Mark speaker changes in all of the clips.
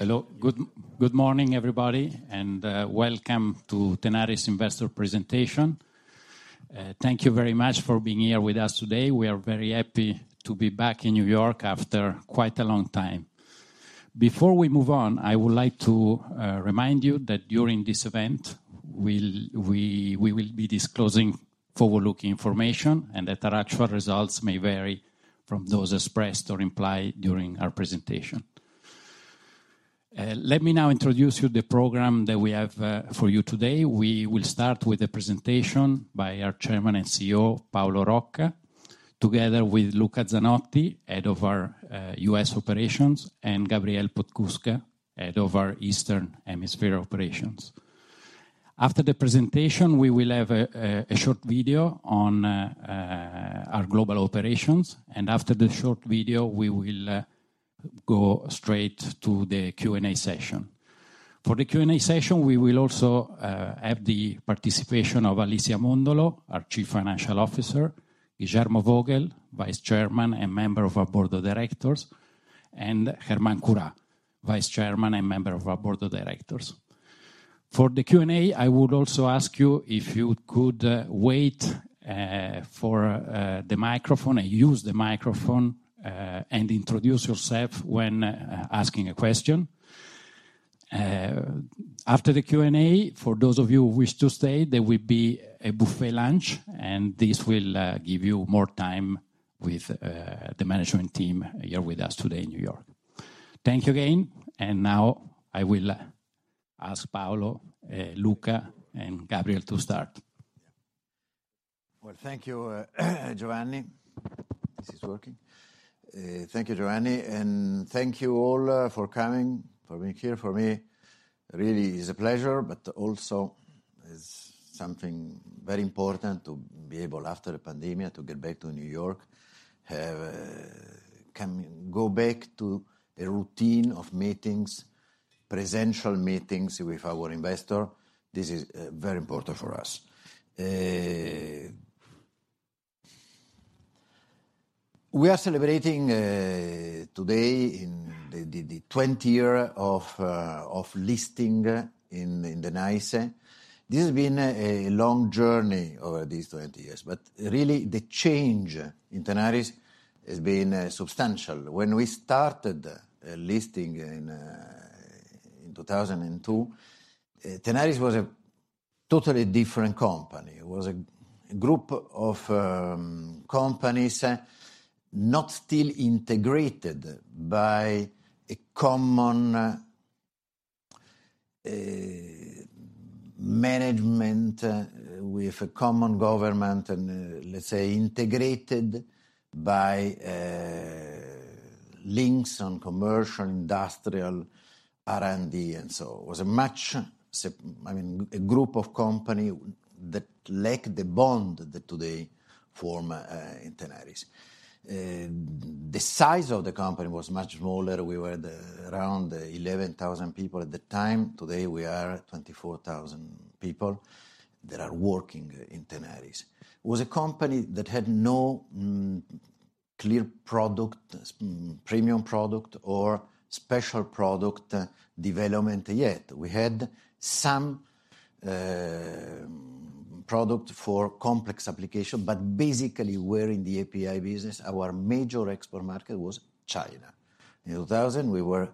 Speaker 1: Hello. Good morning, everybody, and welcome to Tenaris Investor Presentation. Thank you very much for being here with us today. We are very happy to be back in New York after quite a long time. Before we move on, I would like to remind you that during this event we will be disclosing forward-looking information and that our actual results may vary from those expressed or implied during our presentation. Let me now introduce you the program that we have for you today. We will start with a presentation by our Chairman and CEO, Paolo Rocca, together with Luca Zanotti, head of our U.S. operations, and Gabriel Podskubka, head of our Eastern Hemisphere operations. After the presentation, we will have a short video on our global operations. After the short video, we will go straight to the Q&A session. For the Q&A session, we will also have the participation of Alicia Mondolo, our Chief Financial Officer, Guillermo Vogel, Vice Chairman and member of our board of directors, and Germán Curá, Vice Chairman and member of our board of directors. For the Q&A, I would also ask you if you could wait for the microphone, and use the microphone, and introduce yourself when asking a question. After the Q&A, for those of you who wish to stay, there will be a buffet lunch, and this will give you more time with the management team here with us today in New York. Thank you again. Now I will ask Paolo, Luca, and Gabriel to start.
Speaker 2: Well, thank you, Giovanni. This is working. Thank you, Giovanni, and thank you all for coming, for being here. For me, really is a pleasure, but also is something very important to be able, after the pandemic, to get back to New York, go back to a routine of meetings, in-person meetings with our investors. This is very important for us. We are celebrating today the 20th year of listing in the NYSE. This has been a long journey over these 20 years, but really the change in Tenaris has been substantial. When we started listing in 2002, Tenaris was a totally different company. It was a group of companies not still integrated by a common management with a common government and, let's say, integrated by links in commercial, industrial R&D. It was, I mean, a group of companies that lacked the bond that today form in Tenaris. The size of the company was much smaller. We were around 11,000 people at the time. Today we are 24,000 people that are working in Tenaris. It was a company that had no clear product, premium product or special product development yet. We had some product for complex application, but basically we're in the API business. Our major export market was China. In 2000 we were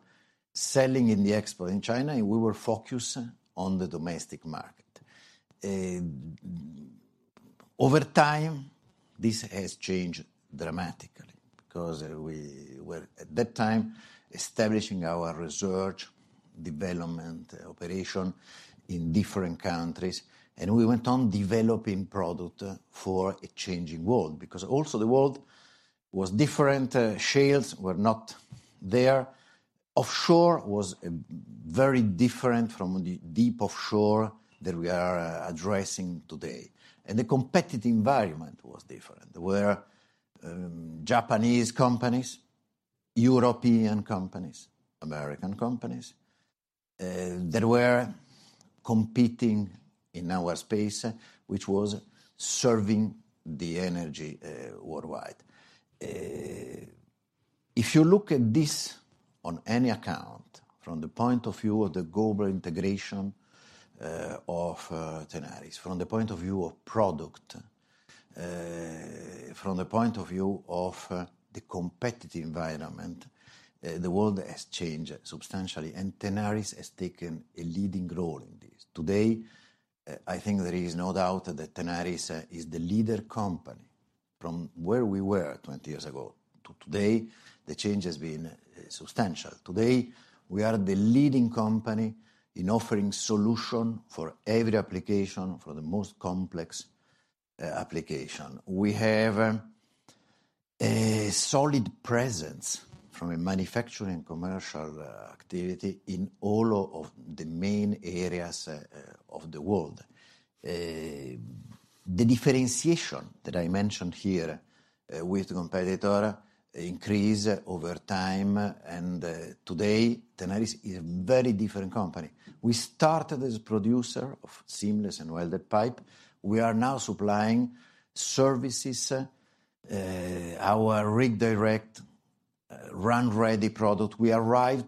Speaker 2: selling in the export in China, and we were focused on the domestic market. Over time, this has changed dramatically because we were, at that time, establishing our research, development, operation in different countries. We went on developing product for a changing world, because also the world was different. Shales were not there. Offshore was very different from the deep offshore that we are addressing today. The competitive environment was different. There were Japanese companies, European companies, American companies that were competing in our space, which was serving the energy worldwide. If you look at this on any account, from the point of view of the global integration of Tenaris, from the point of view of product, from the point of view of the competitive environment, the world has changed substantially, and Tenaris has taken a leading role in this. Today, I think there is no doubt that Tenaris is the leader company. From where we were 20 years ago to today, the change has been substantial. Today, we are the leading company in offering solution for every application, for the most complex application. We have a solid presence from a manufacturing commercial activity in all of the main areas of the world. The differentiation that I mentioned here with competitor increase over time, and today Tenaris is a very different company. We started as a producer of seamless and welded pipe. We are now supplying services, our Rig Direct RunReady product, we arrived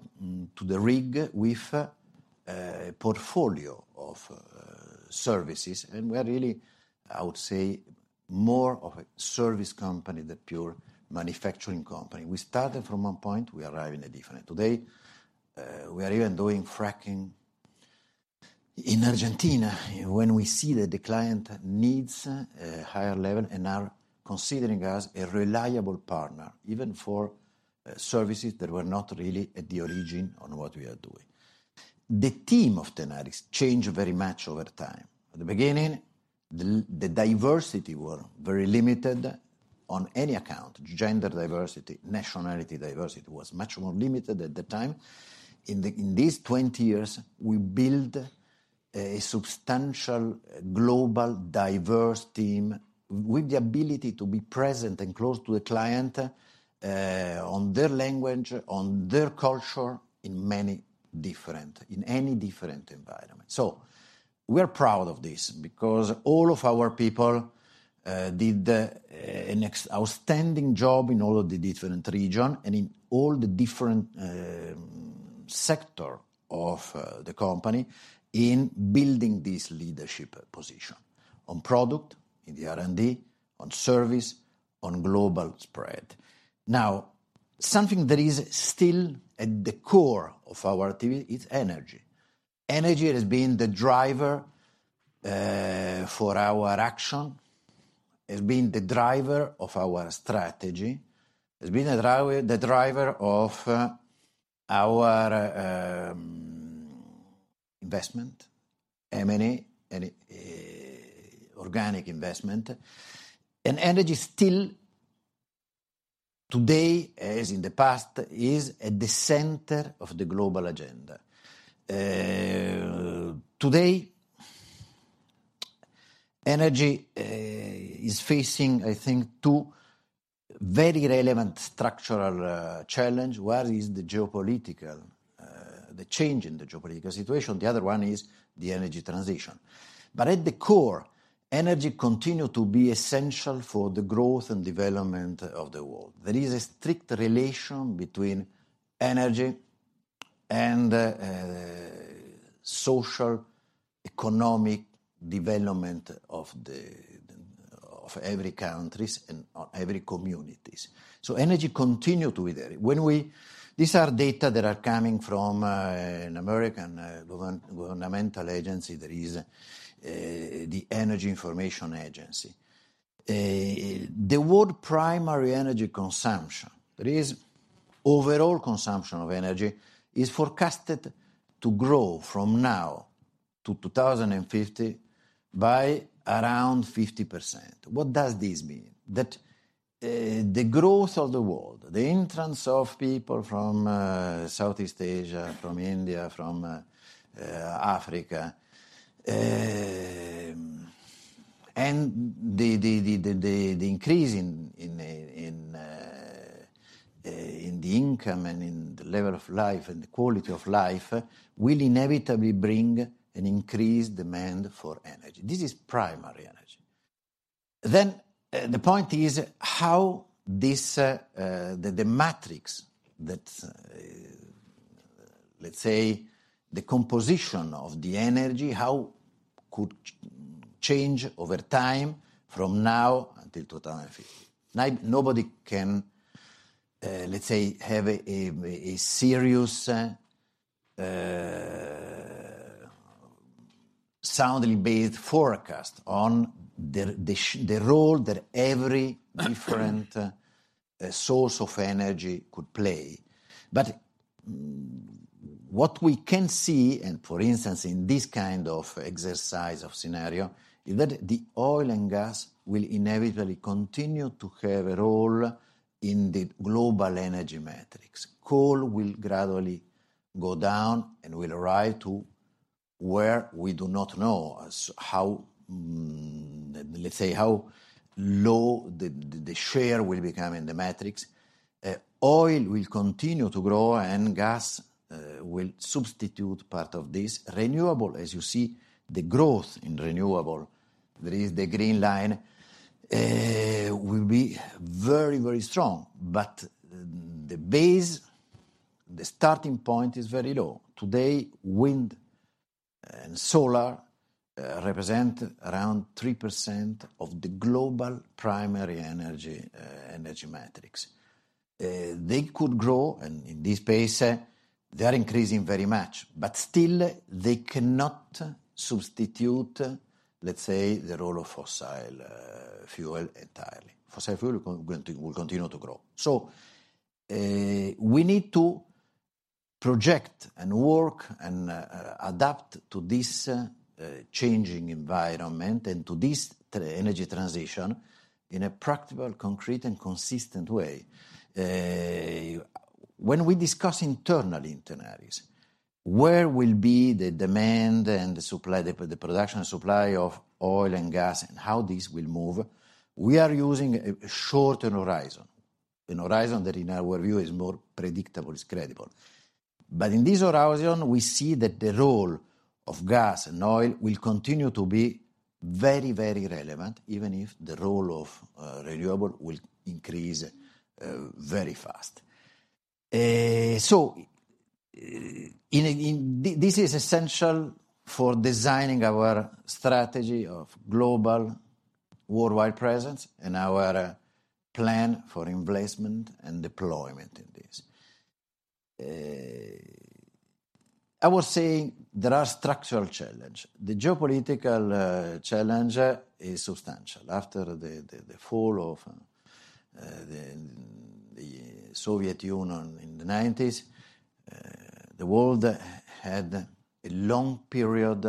Speaker 2: to the rig with a portfolio of services. We are really, I would say, more of a service company than pure manufacturing company. We started from one point, we arrive in a different. Today, we are even doing fracking in Argentina. When we see that the client needs a higher level and are considering us a reliable partner, even for services that were not really at the origin on what we are doing. The team of Tenaris change very much over time. At the beginning, the diversity were very limited on any account. Gender diversity, nationality diversity was much more limited at the time. In these 20 years, we build a substantial global diverse team with the ability to be present and close to the client, on their language, on their culture, in any different environment. We are proud of this because all of our people did an outstanding job in all of the different regions and in all the different sectors of the company in building this leadership position on product, in the R&D, on service, on global spread. Now, something that is still at the core of our activity is energy. Energy has been the driver for our action. It's been the driver of our strategy. It's been the driver of our investment, M&A, and organic investment. Energy still today, as in the past, is at the center of the global agenda. Today, energy is facing, I think, two very relevant structural challenges. One is the geopolitical, the change in the geopolitical situation. The other one is the energy transition. At the core, energy continue to be essential for the growth and development of the world. There is a strict relation between energy and social economic development of every countries and every communities. Energy continue to be there. These are data that are coming from an American governmental agency that is the Energy Information Administration. The world primary energy consumption, that is overall consumption of energy, is forecasted to grow from now to 2050 by around 50%. What does this mean? The growth of the world, the entrance of people from Southeast Asia, from India, from Africa, and the increase in the income and in the level of life and the quality of life will inevitably bring an increased demand for energy. This is primary energy. The point is how the matrix that, let's say, the composition of the energy could change over time from now until 2050. Nobody can, let's say, have a serious, soundly based forecast on the role that every different source of energy could play. What we can see, and for instance, in this kind of exercise of scenario, is that the oil and gas will inevitably continue to have a role in the global energy matrix. Coal will gradually go down and will arrive to where we do not know as how, let's say, how low the share will become in the matrix. Oil will continue to grow and gas will substitute part of this renewable. As you see, the growth in renewable, that is the green line, will be very, very strong. The base, the starting point is very low. Today, wind and solar represent around 3% of the global primary energy energy matrix. They could grow, and in this pace, they are increasing very much, but still they cannot substitute, let's say, the role of fossil fuel entirely. Fossil fuel consumption will continue to grow. We need to project and work and adapt to this changing environment and to this energy transition in a practical, concrete, and consistent way. When we discuss internally in Tenaris where will be the demand and the supply, the production supply of oil and gas and how this will move, we are using a short-term horizon. A horizon that in our view is more predictable, it's credible. In this horizon, we see that the role of gas and oil will continue to be very relevant, even if the role of renewable will increase very fast. This is essential for designing our strategy of global worldwide presence and our plan for investment and deployment in this. I would say there are structural challenge. The geopolitical challenge is substantial. After the fall of the Soviet Union in the '90s, the world had a long period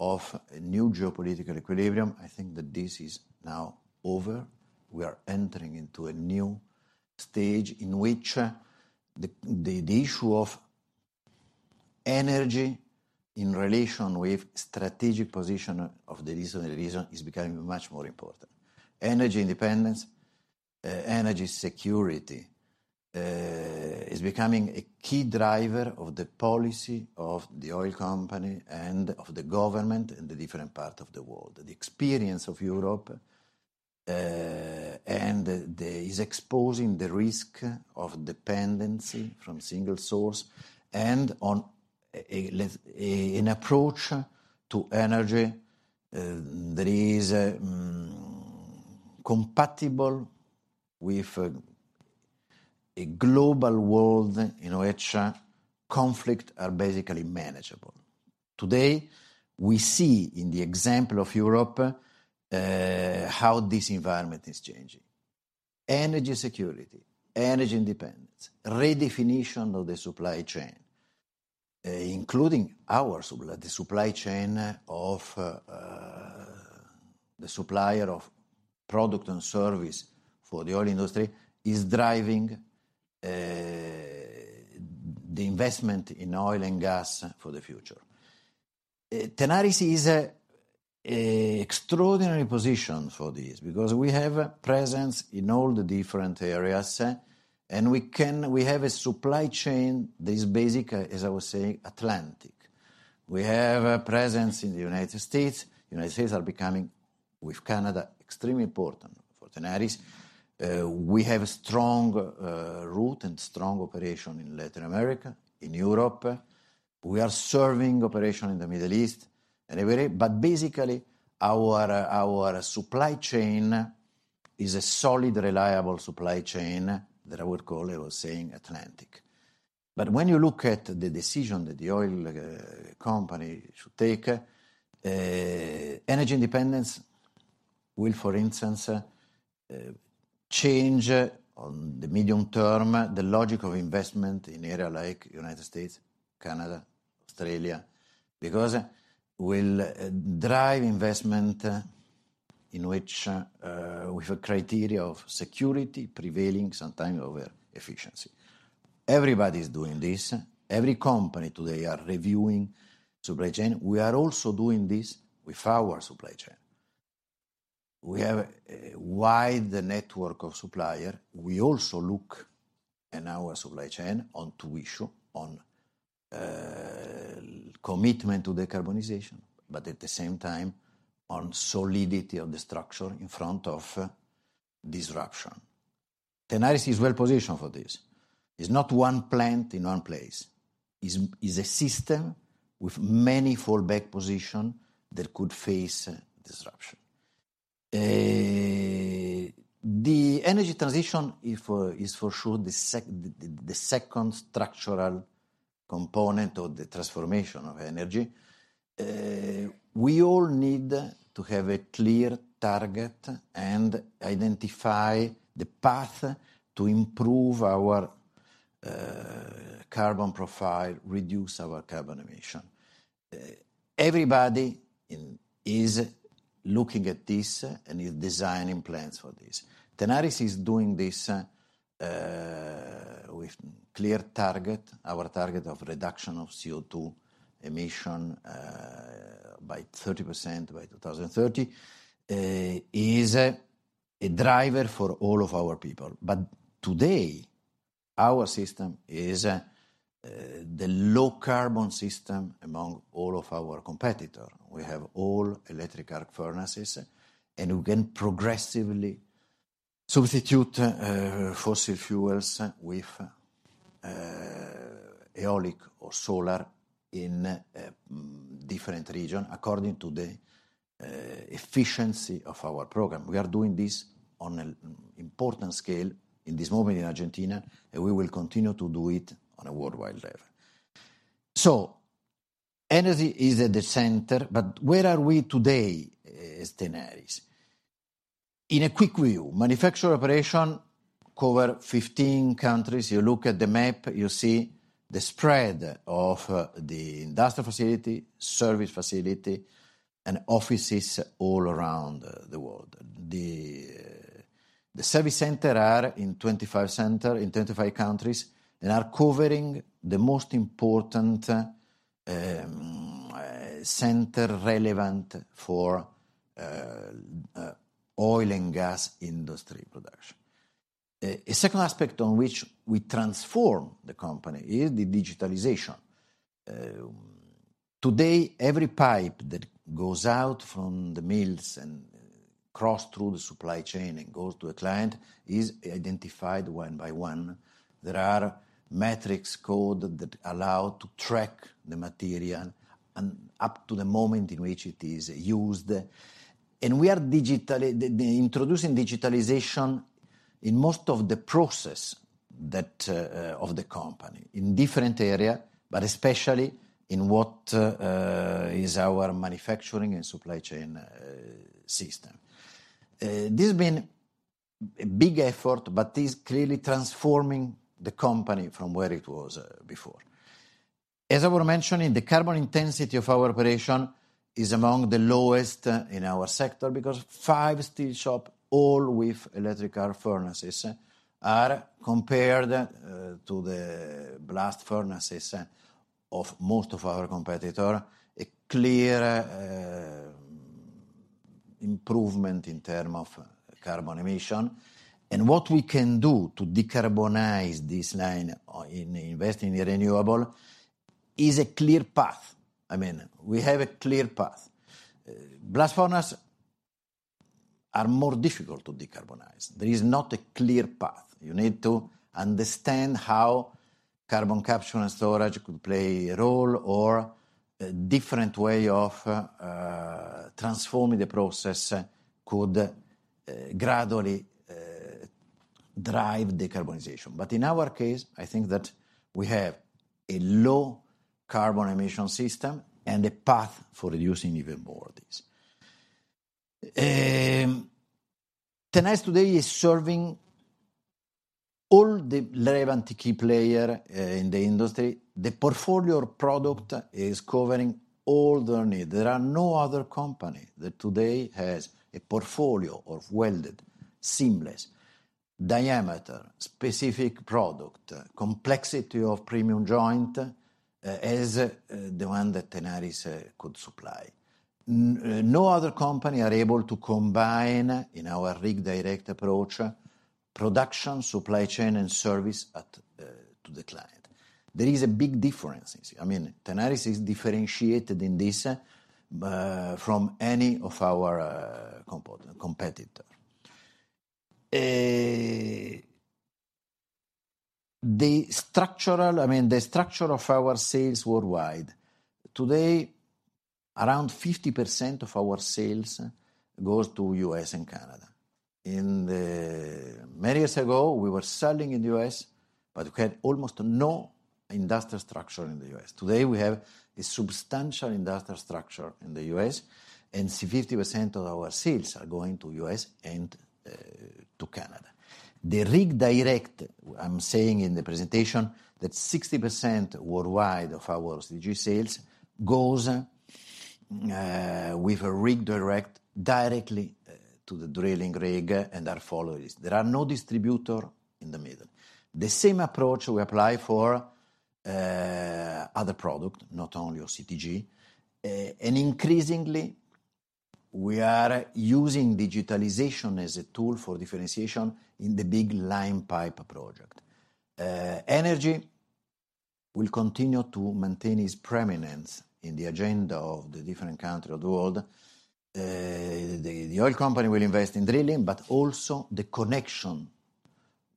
Speaker 2: of a new geopolitical equilibrium. I think that this is now over. We are entering into a new stage in which the issue of energy in relation with strategic position of the recent division is becoming much more important. Energy independence, energy security is becoming a key driver of the policy of the oil company and of the government in different parts of the world. The experience of Europe is exposing the risk of dependency on single source and of an approach to energy that is less compatible with a global world in which conflicts are basically manageable. Today, we see in the example of Europe, how this environment is changing. Energy security, energy independence, redefinition of the supply chain, including our supply, the supply chain of, the supplier of product and service for the oil industry is driving, the investment in oil and gas for the future. Tenaris is in an extraordinary position for this because we have presence in all the different areas, and we have a supply chain that is based, as I was saying, Atlantic. We have a presence in the United States. United States are becoming, with Canada, extremely important for Tenaris. We have a strong roots and strong operation in Latin America, in Europe. We are serving operations in the Middle East and everywhere. Basically, our supply chain is a solid, reliable supply chain that I would call, I was saying, Atlantic. When you look at the decision that the oil company should take, energy independence will, for instance, change on the medium term, the logic of investment in areas like United States, Canada, Australia, because it will drive investment in which with a criteria of security prevailing sometime over efficiency. Everybody is doing this. Every company today are reviewing supply chain. We are also doing this with our supply chain. We have a wide network of suppliers. We also look in our supply chain on two issues, on commitment to decarbonization, but at the same time on solidity of the structure in front of disruption. Tenaris is well positioned for this. It's not one plant in one place. It is a system with many fallback positions that could face disruption. The energy transition is for sure the second structural component of the transformation of energy. We all need to have a clear target and identify the path to improve our carbon profile, reduce our carbon emission. Everybody is looking at this and is designing plans for this. Tenaris is doing this with clear target. Our target of reduction of CO2 emission by 30% by 2030 is a driver for all of our people. Today, our system is the low carbon system among all of our competitor. We have all electric arc furnaces, and we can progressively substitute fossil fuels with eolic or solar in different region according to the efficiency of our program. We are doing this on an important scale in this moment in Argentina, and we will continue to do it on a worldwide level. Energy is at the center, but where are we today as Tenaris? In a quick view, manufacturing operations cover 15 countries. You look at the map, you see the spread of the industrial facility, service facility, and offices all around the world. The service centers are in 25 countries and are covering the most important centers relevant for oil and gas industry production. A second aspect on which we transform the company is the digitalization. Today, every pipe that goes out from the mills and cross through the supply chain and goes to a client is identified one by one. There are metrics code that allow to track the material and up to the moment in which it is used. We are digitally introducing digitalization in most of the process that of the company in different area, but especially in what is our manufacturing and supply chain system. This been a big effort, but is clearly transforming the company from where it was before. As I were mentioning, the carbon intensity of our operation is among the lowest in our sector because five steel shop all with electric furnaces as compared to the blast furnaces of most of our competitor, a clear improvement in term of carbon emission. What we can do to decarbonize this line is investing in renewable is a clear path. I mean, we have a clear path. Blast furnaces are more difficult to decarbonize. There is not a clear path. You need to understand how carbon capture and storage could play a role or a different way of transforming the process could gradually drive the decarbonization. In our case, I think that we have a low carbon emission system and a path for reducing even more of this. Tenaris today is serving all the relevant key players in the industry. The product portfolio is covering all the needs. There are no other companies that today has a portfolio of welded, seamless, diameter-specific products, complexity of premium joints, as the one that Tenaris could supply. No other company is able to combine in our Rig Direct approach, production, supply chain and service to the client. There is a big difference. I mean, Tenaris is differentiated in this from any of our competitor. I mean, the structure of our sales worldwide. Today, around 50% of our sales goes to U.S. and Canada. Many years ago, we were selling in the U.S., but we had almost no industrial structure in the U.S. Today, we have a substantial industrial structure in the U.S. and 50% of our sales are going to U.S. and to Canada. The Rig Direct, I'm saying in the presentation, that 60% worldwide of our OCTG sales goes with a Rig Direct directly to the drilling rig and our followers. There are no distributor in the middle. The same approach we apply for other product, not only our OCTG. Increasingly, we are using digitalization as a tool for differentiation in the big line pipe project. Energy will continue to maintain its preeminence in the agenda of the different countries of the world. The oil company will invest in drilling, but also the connection.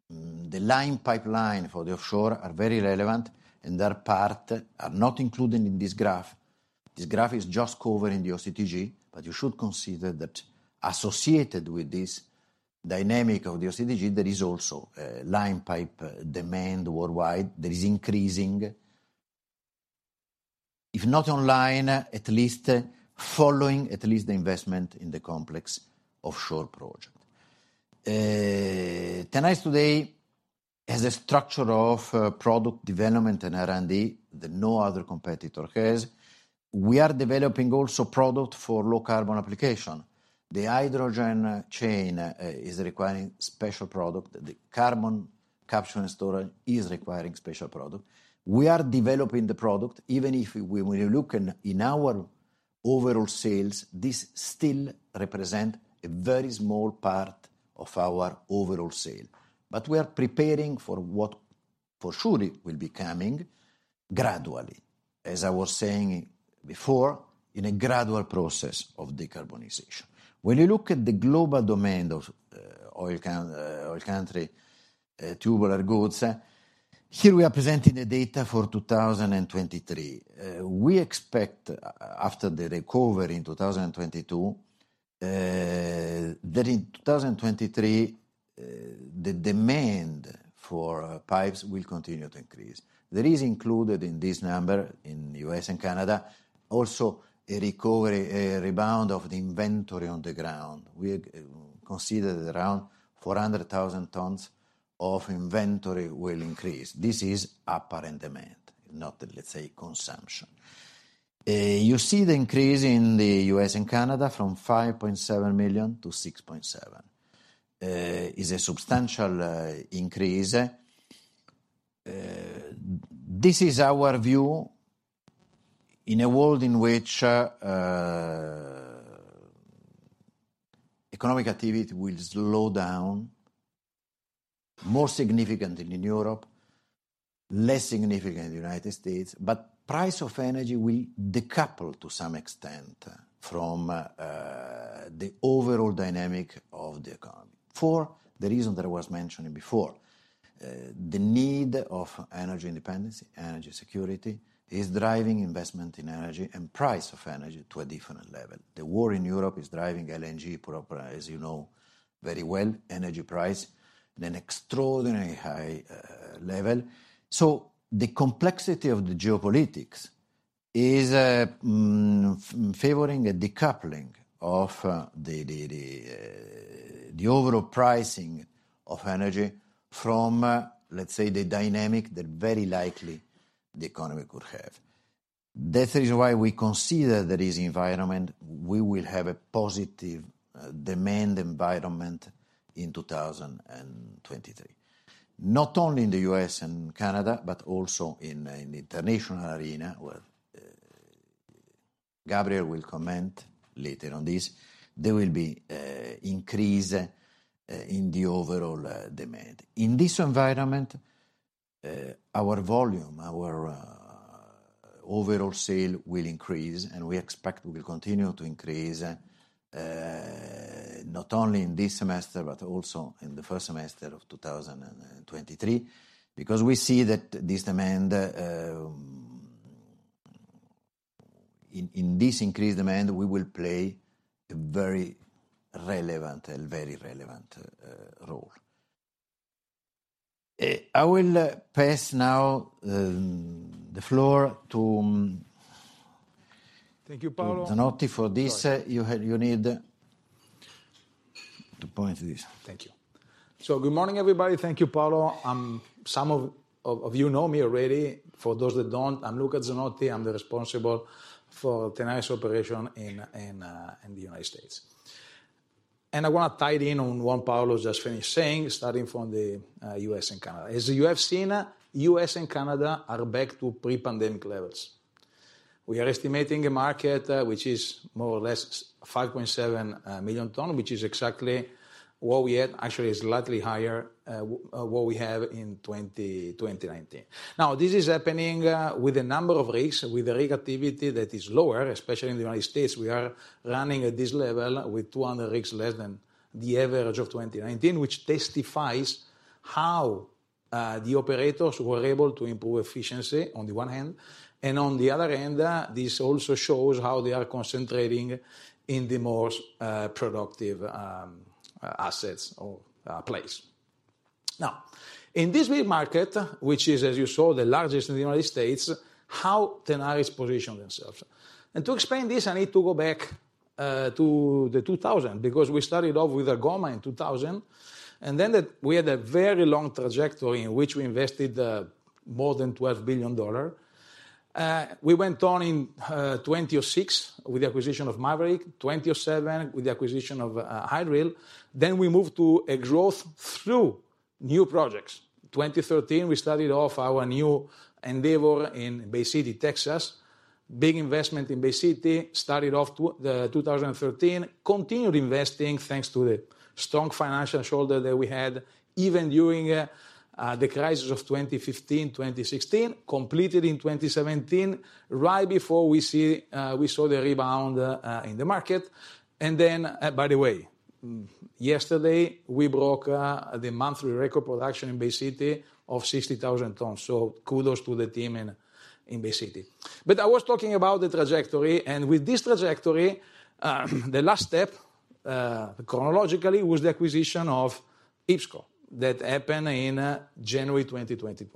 Speaker 2: The line pipe for the offshore are very relevant, and that part are not included in this graph. This graph is just covering the OCTG, but you should consider that associated with this dynamic of the OCTG, there is also a line pipe demand worldwide. There is increasing, if not online, at least following the investment in the complex offshore project. Tenaris today has a structure of product development and R&D that no other competitor has. We are developing also product for low carbon application. The hydrogen chain is requiring special product. The carbon capture and storage is requiring special product. We are developing the product, even if we look in our overall sales, this still represent a very small part of our overall sale. We are preparing for what for sure it will be coming gradually, as I was saying before, in a gradual process of decarbonization. When you look at the global demand of oil country tubular goods, here we are presenting the data for 2023. We expect after the recovery in 2022, that in 2023, the demand for pipes will continue to increase. There is included in this number in U.S. and Canada also a recovery rebound of the inventory on the ground. We consider around 400,000 tons of inventory will increase. This is apparent demand, not, let's say, consumption. You see the increase in the U.S. and Canada from 5.7 million-6.7 million. Is a substantial increase. This is our view in a world in which economic activity will slow down, more significant in Europe, less significant in the United States. Price of energy will decouple to some extent from the overall dynamic of the economy for the reason that I was mentioning before. The need of energy independence, energy security is driving investment in energy and price of energy to a different level. The war in Europe is driving LNG price, as you know very well, energy price at an extraordinarily high level. The complexity of the geopolitics is favoring a decoupling of the overall pricing of energy from, let's say, the dynamic that very likely the economy could have. That is why we consider that this environment, we will have a positive demand environment in 2023. Not only in the U.S. and Canada, but also in international arena, where Gabriel will comment later on this. There will be increase in the overall demand. In this environment, our volume, our overall sales will increase, and we expect will continue to increase, not only in this semester but also in the first semester of 2023, because we see that this demand. In this increased demand, we will play a very relevant role. I will pass now the floor to.
Speaker 3: Thank you, Paolo.
Speaker 2: Zanotti.
Speaker 3: Sorry
Speaker 2: You need to point this.
Speaker 3: Thank you. Good morning, everybody. Thank you, Paolo. Some of you know me already. For those that don't, I'm Luca Zanotti. I'm the responsible for Tenaris operation in the United States. I wanna tie it in on what Paolo's just finished saying, starting from the U.S. and Canada. As you have seen, U.S. and Canada are back to pre-pandemic levels. We are estimating a market which is more or less 5.7 million tons, which is exactly what we had. Actually, it's slightly higher what we had in 2019. Now, this is happening with a number of rigs, with the rig activity that is lower, especially in the United States. We are running at this level with 200 rigs less than the average of 2019, which testifies how the operators were able to improve efficiency on the one hand, and on the other hand, this also shows how they are concentrating in the more productive assets or place. Now, in this big market, which is, as you saw, the largest in the United States, how Tenaris position themselves. To explain this, I need to go back to 2000, because we started off with Algoma in 2000, we had a very long trajectory in which we invested more than $12 billion. We went on in 2006 with the acquisition of Maverick, 2007 with the acquisition of Hydril. We moved to a growth through new projects. 2013, we started off our new endeavor in Bay City, Texas. Big investment in Bay City. Started off 2013. Continued investing, thanks to the strong financial shoulder that we had, even during the crisis of 2015, 2016. Completed in 2017, right before we saw the rebound in the market. By the way, yesterday we broke the monthly record production in Bay City of 60,000 tons. Kudos to the team in Bay City. I was talking about the trajectory, and with this trajectory, the last step chronologically was the acquisition of IPSCO that happened in January 2020.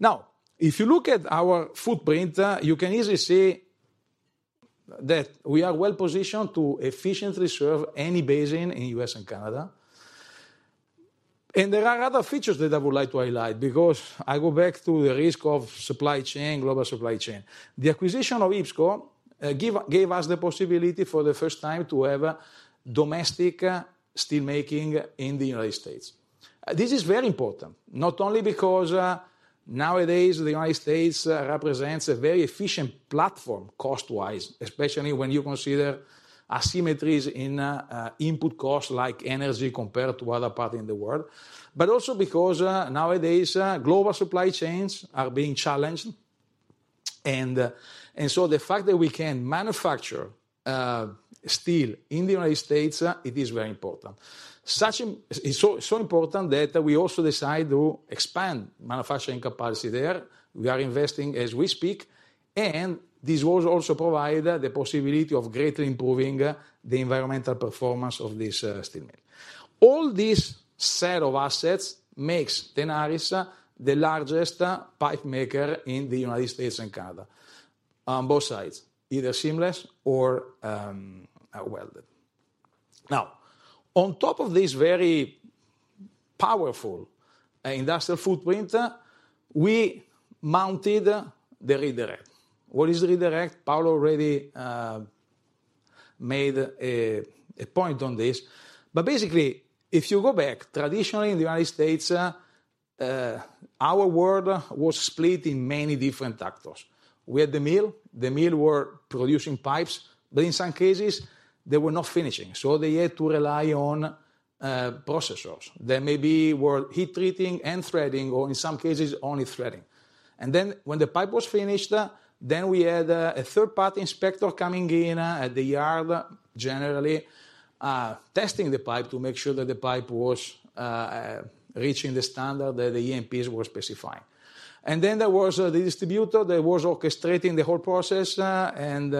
Speaker 3: Now, if you look at our footprint, you can easily see that we are well positioned to efficiently serve any basin in U.S. and Canada. There are other features that I would like to highlight, because I go back to the risk of supply chain, global supply chain. The acquisition of IPSCO gave us the possibility for the first time to have a domestic steel making in the United States. This is very important, not only because nowadays the United States represents a very efficient platform cost-wise, especially when you consider asymmetries in input costs, like energy compared to other parts in the world. Also because nowadays global supply chains are being challenged. The fact that we can manufacture steel in the United States, it is very important. It's so important that we also decide to expand manufacturing capacity there. We are investing as we speak, and this will also provide the possibility of greatly improving the environmental performance of this steel mill. All these set of assets makes Tenaris the largest pipe maker in the United States and Canada on both sides, either seamless or welded. Now, on top of this very powerful industrial footprint, we mounted Rig Direct. What is Rig Direct? Paolo already made a point on this. Basically, if you go back, traditionally in the United States, our world was split in many different actors. We had the mill, the mill were producing pipes, but in some cases, they were not finishing, so they had to rely on processors that maybe were heat treating and threading, or in some cases, only threading. When the pipe was finished, then we had a third-party inspector coming in at the yard, generally, testing the pipe to make sure that the pipe was reaching the standard that the E&Ps were specifying. There was the distributor that was orchestrating the whole process, and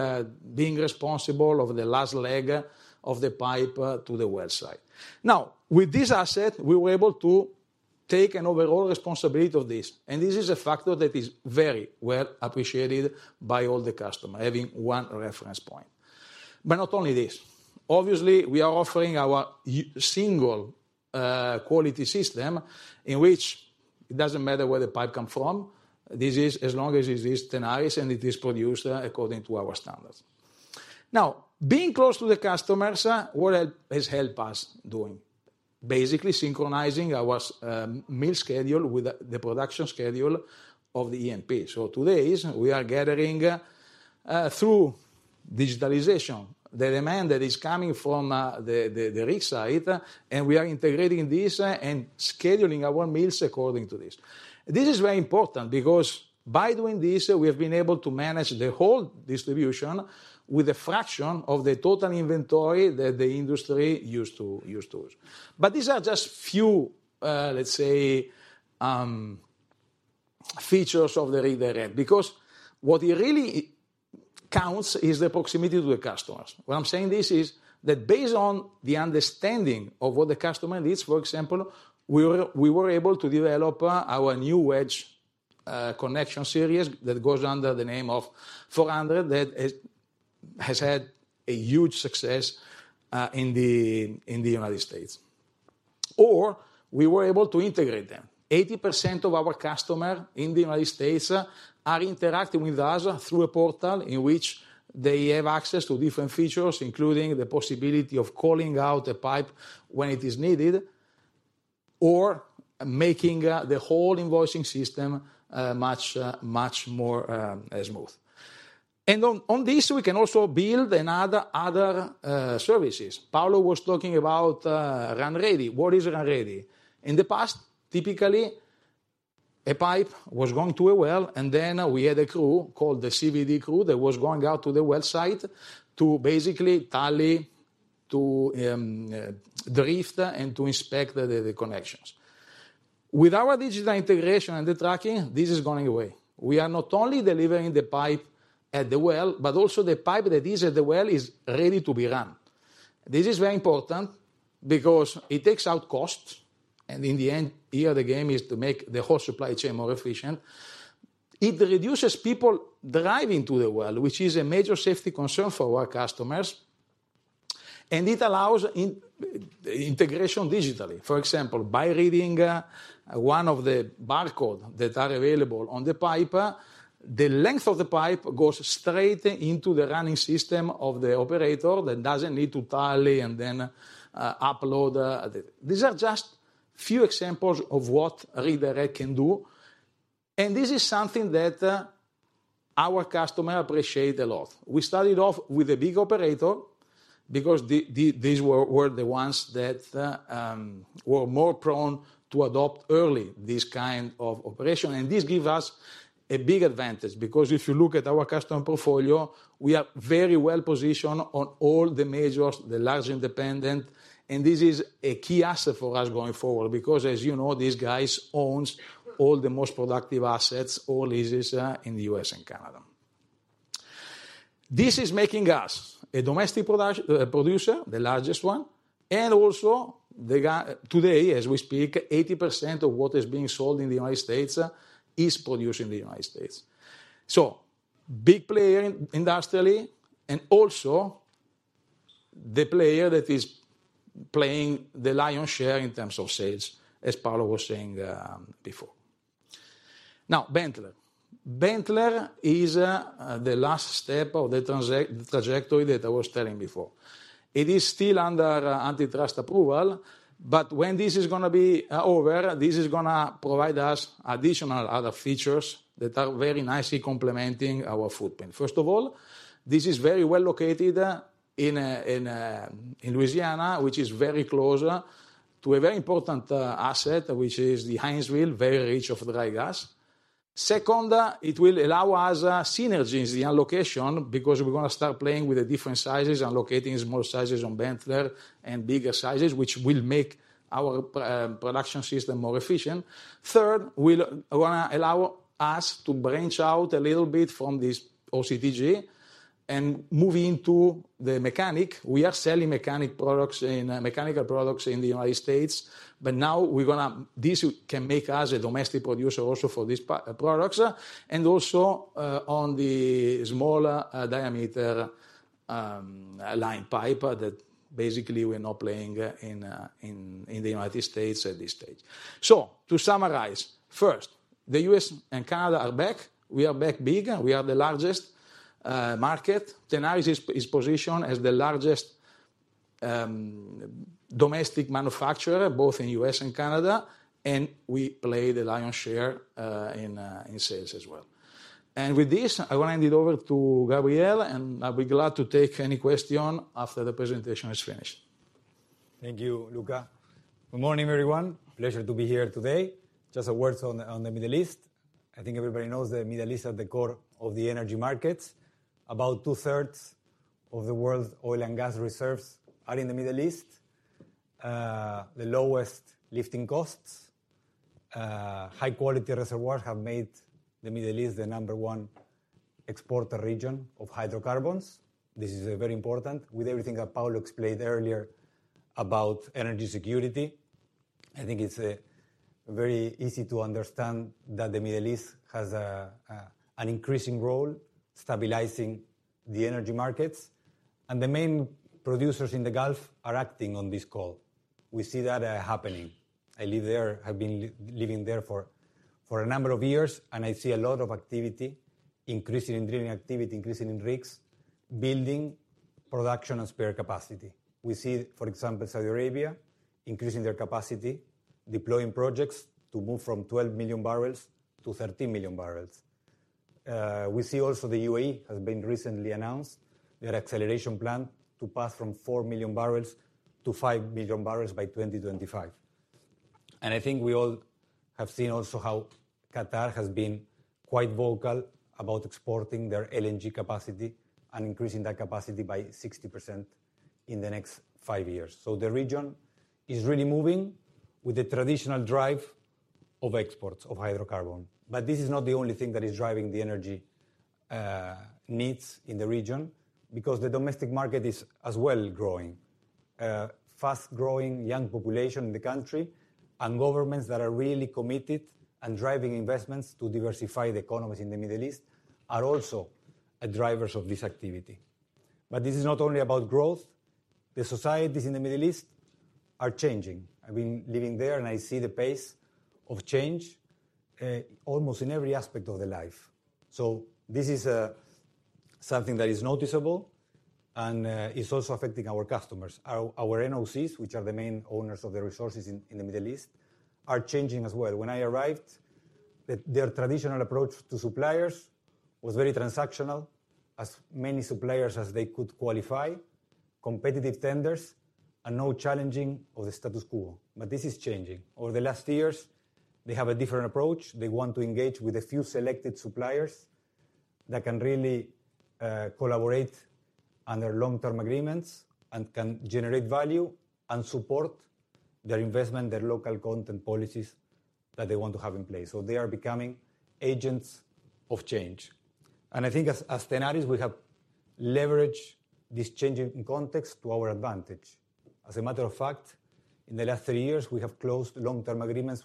Speaker 3: being responsible for the last leg of the pipe to the well site. Now, with this asset, we were able to take an overall responsibility of this, and this is a factor that is very well appreciated by all the customers, having one reference point. Not only this, obviously we are offering our unique quality system in which it doesn't matter where the pipe come from. This is as long as it is Tenaris and it is produced according to our standards. Now, being close to the customers, what has helped us doing? Basically synchronizing our mill schedule with the production schedule of the E&P. Today, we are gathering through digitalization, the demand that is coming from the rig side, and we are integrating this and scheduling our mills according to this. This is very important because by doing this, we have been able to manage the whole distribution with a fraction of the total inventory that the industry used to. These are just few, let's say, features of the Rig Direct. What it really counts is the proximity to the customers. What I'm saying is that based on the understanding of what the customer needs, for example, we were able to develop our new Wedge Connection Series that goes under the name of 400 that has had a huge success in the United States. We were able to integrate them. 80% of our customers in the United States are interacting with us through a portal in which they have access to different features, including the possibility of calling out a pipe when it is needed or making the whole invoicing system much more smooth. On this, we can also build other services. Paolo was talking about RunReady. What is RunReady? In the past, typically, a pipe was going to a well, and then we had a crew called the CVD crew that was going out to the well site to basically tally, to drift and to inspect the connections. With our digital integration and the tracking, this is going away. We are not only delivering the pipe at the well, but also the pipe that is at the well is ready to be run. This is very important because it takes out costs, and in the end, here, the game is to make the whole supply chain more efficient. It reduces people driving to the well, which is a major safety concern for our customers, and it allows integration digitally. For example, by reading one of the barcode that are available on the pipe, the length of the pipe goes straight into the running system of the operator that doesn't need to tally and then upload the. These are just few examples of what Rig Direct can do, and this is something that our customer appreciate a lot. We started off with a big operator because these were the ones that were more prone to adopt early this kind of operation. This give us a big advantage because if you look at our customer portfolio, we are very well positioned on all the majors, the large independent, and this is a key asset for us going forward because as you know, these guys owns all the most productive assets or leases in the U.S. and Canada. This is making us a domestic producer, the largest one, and also, today, as we speak, 80% of what is being sold in the United States is produced in the United States. Big player industrially, and also the player that is playing the lion's share in terms of sales, as Paolo was saying, before. Now, Benteler. Benteler is the last step of the trajectory that I was telling before. It is still under antitrust approval, but when this is gonna be over, this is gonna provide us additional other features that are very nicely complementing our footprint. First of all, this is very well located in Louisiana, which is very close to a very important asset, which is the Haynesville, very rich of dry gas. Second, it will allow us synergies in allocation, because we're gonna start playing with the different sizes and locating small sizes on Benteler and bigger sizes, which will make our production system more efficient. Third, will allow us to branch out a little bit from this OCTG and move into the mechanical. We are selling mechanical products in the United States, but now we're gonna this can make us a domestic producer also for these products, and also, on the smaller diameter line pipe, that basically we're not playing in the United States at this stage. To summarize, first. The U.S. and Canada are back. We are back big, and we are the largest market. Tenaris is positioned as the largest domestic manufacturer, both in U.S. and Canada, and we play the lion's share in sales as well. With this, I want to hand it over to Gabriel, and I'll be glad to take any question after the presentation is finished.
Speaker 4: Thank you, Luca. Good morning, everyone. Pleasure to be here today. Just a word on the Middle East. I think everybody knows the Middle East is at the core of the energy markets. About 2/3 of the world's oil and gas reserves are in the Middle East. The lowest lifting costs, high quality reservoir have made the Middle East the number one exporter region of hydrocarbons. This is very important. With everything that Paolo explained earlier about energy security, I think it's very easy to understand that the Middle East has an increasing role stabilizing the energy markets, and the main producers in the Gulf are acting on this call. We see that happening. I live there. I've been living there for a number of years, and I see a lot of activity, increasing in drilling activity, increasing in rigs, building production and spare capacity. We see, for example, Saudi Arabia increasing their capacity, deploying projects to move from 12 million barrels to 13 million barrels. We see also the UAE has been recently announced their acceleration plan to pass from 4 million barrels to 5 million barrels by 2025. I think we all have seen also how Qatar has been quite vocal about exporting their LNG capacity and increasing that capacity by 60% in the next 5 years. The region is really moving with the traditional drive of exports of hydrocarbon. This is not the only thing that is driving the energy needs in the region, because the domestic market is as well growing. A fast-growing young population in the country, and governments that are really committed and driving investments to diversify the economies in the Middle East are also drivers of this activity. This is not only about growth. The societies in the Middle East are changing. I've been living there, and I see the pace of change almost in every aspect of life. This is something that is noticeable and is also affecting our customers. Our NOCs, which are the main owners of the resources in the Middle East, are changing as well. When I arrived, their traditional approach to suppliers was very transactional. As many suppliers as they could qualify, competitive tenders and no challenging of the status quo. This is changing. Over the last years, they have a different approach. They want to engage with a few selected suppliers that can really collaborate under long-term agreements and can generate value and support their investment, their local content policies that they want to have in place. They are becoming agents of change. I think as Tenaris, we have leveraged this changing context to our advantage. As a matter of fact, in the last three years, we have closed long-term agreements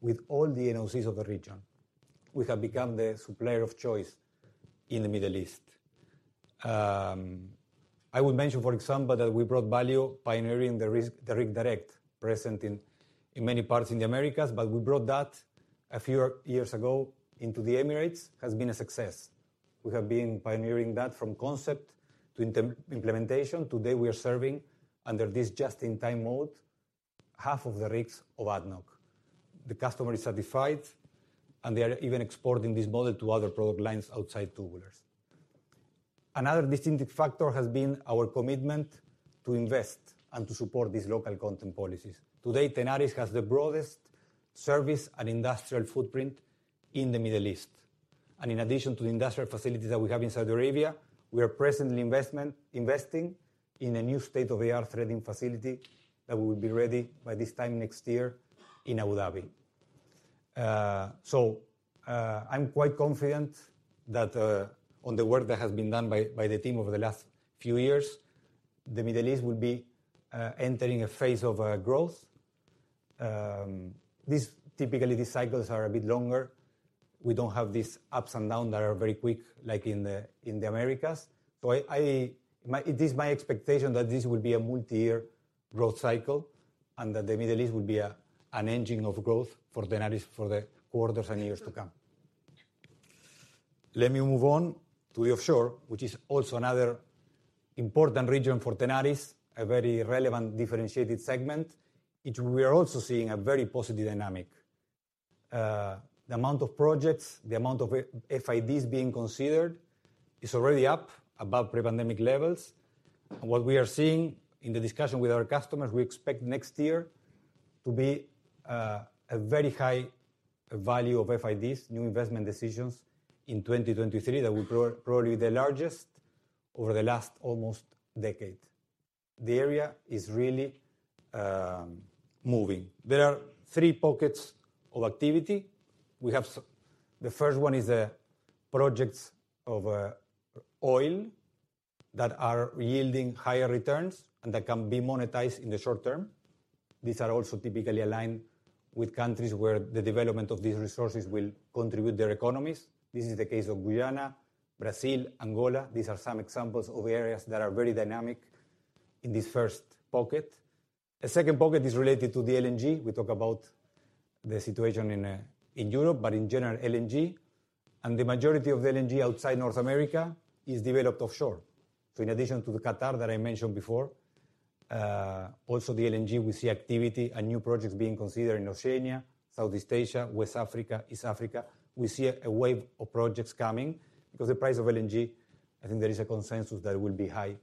Speaker 4: with all the NOCs of the region. We have become the supplier of choice in the Middle East. I would mention, for example, that we brought value pioneering the Rig Direct present in many parts in the Americas, but we brought that a few years ago into the Emirates, has been a success. We have been pioneering that from concept to implementation. Today, we are serving under this just-in-time mode, half of the rigs of ADNOC. The customer is satisfied, and they are even exporting this model to other product lines outside tubulars. Another distinctive factor has been our commitment to invest and to support these local content policies. Today, Tenaris has the broadest service and industrial footprint in the Middle East. In addition to the industrial facilities that we have in Saudi Arabia, we are presently investing in a new state-of-the-art threading facility that will be ready by this time next year in Abu Dhabi. I'm quite confident that on the work that has been done by the team over the last few years, the Middle East will be entering a phase of growth. Typically, these cycles are a bit longer. We don't have these ups and down that are very quick, like in the Americas. It is my expectation that this will be a multi-year growth cycle and that the Middle East will be an engine of growth for Tenaris for the quarters and years to come. Let me move on to the offshore, which is also another important region for Tenaris, a very relevant differentiated segment. We are also seeing a very positive dynamic. The amount of projects, the amount of FIDs being considered is already up above pre-pandemic levels. What we are seeing in the discussion with our customers, we expect next year to be a very high value of FIDs, new investment decisions in 2023 that will probably the largest over the last almost decade. The area is really moving. There are three pockets of activity. We have the first one is the projects of oil that are yielding higher returns and that can be monetized in the short term. These are also typically aligned with countries where the development of these resources will contribute their economies. This is the case of Guyana, Brazil, Angola. These are some examples of areas that are very dynamic. In this first pocket. The second pocket is related to the LNG. We talk about the situation in Europe, but in general, LNG. The majority of LNG outside North America is developed offshore. In addition to the Qatar that I mentioned before, also the LNG, we see activity and new projects being considered in Oceania, Southeast Asia, West Africa, East Africa. We see a wave of projects coming because the price of LNG, I think there is a consensus that it will be high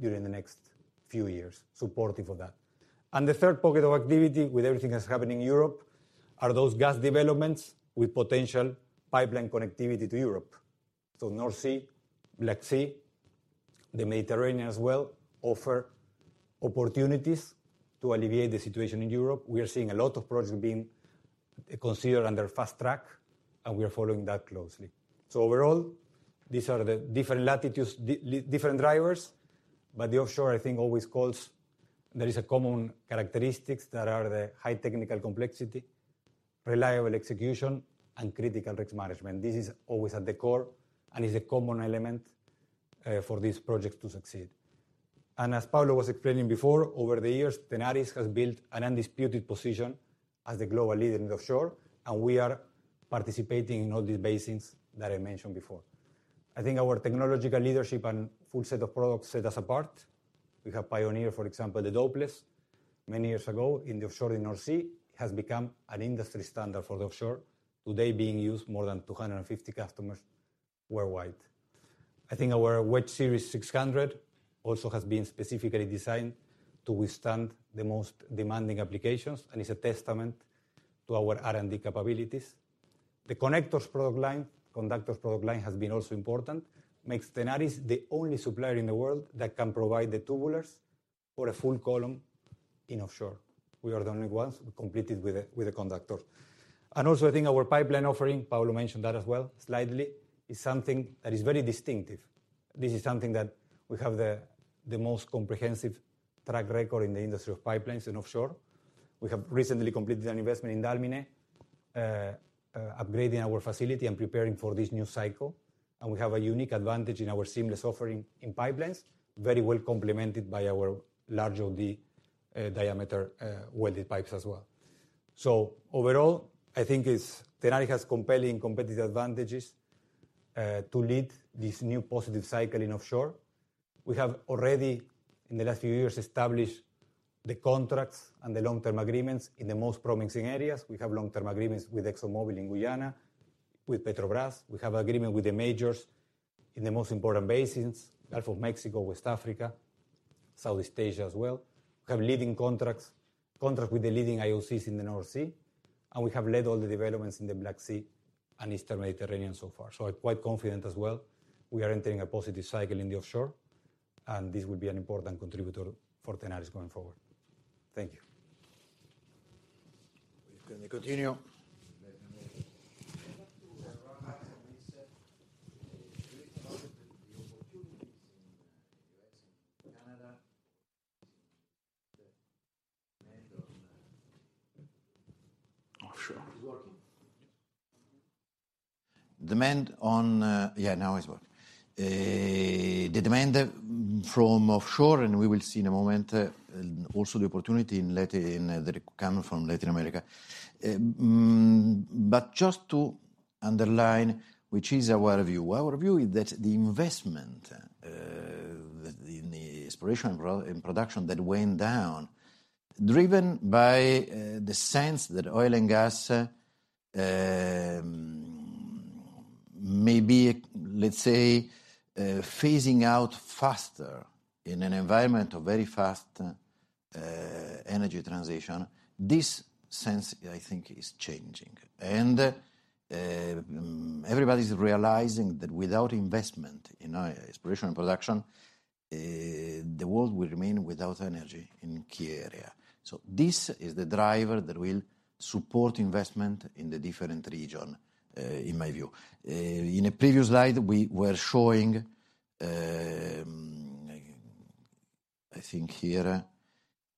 Speaker 4: during the next few years supportive of that. The third pocket of activity with everything that's happening in Europe are those gas developments with potential pipeline connectivity to Europe. North Sea, Black Sea, the Mediterranean as well offer opportunities to alleviate the situation in Europe. We are seeing a lot of projects being considered under fast track, and we are following that closely. Overall, these are the different latitudes, different drivers. The offshore, I think, always calls. There is a common characteristics that are the high technical complexity, reliable execution, and critical risk management. This is always at the core, and is a common element for these projects to succeed. As Paolo was explaining before, over the years, Tenaris has built an undisputed position as a global leader in offshore, and we are participating in all these basins that I mentioned before. I think our technological leadership and full set of products set us apart. We have pioneered, for example, the Dopeless many years ago in the offshore in North Sea, has become an industry standard for the offshore, today being used more than 250 customers worldwide. I think our Wedge Series 600 also has been specifically designed to withstand the most demanding applications, and is a testament to our R&D capabilities. The connectors product line has been also important. Makes Tenaris the only supplier in the world that can provide the tubulars for a full column in offshore. We are the only ones completed with a conductor. Also, I think our pipeline offering, Paolo mentioned that as well slightly, is something that is very distinctive. This is something that we have the most comprehensive track record in the industry of pipelines and offshore. We have recently completed an investment in Dalmine, upgrading our facility and preparing for this new cycle. We have a unique advantage in our seamless offering in pipelines, very well complemented by our large OD diameter welded pipes as well. Overall, I think Tenaris has compelling competitive advantages to lead this new positive cycle in offshore. We have already, in the last few years, established the contracts and the long-term agreements in the most promising areas. We have long-term agreements with ExxonMobil in Guyana, with Petrobras. We have agreement with the majors in the most important basins, Gulf of Mexico, West Africa, Southeast Asia as well. We have leading contracts with the leading IOCs in the North Sea, and we have led all the developments in the Black Sea and Eastern Mediterranean so far. I'm quite confident as well we are entering a positive cycle in the offshore, and this will be an important contributor for Tenaris going forward. Thank you.
Speaker 2: We can continue. The opportunities in U.S. and Canada demand on offshore. It's working. The demand from offshore, and we will see in a moment, also the opportunity that come from Latin America. But just to underline which is our view. Our view is that the investment in the exploration and production that went down, driven by the sense that oil and gas maybe, let's say, phasing out faster in an environment of very fast energy transition, this sense, I think, is changing. Everybody's realizing that without investment in exploration and production, the world will remain without energy in key area. This is the driver that will support investment in the different region in my view. In a previous slide, we were showing, I think here,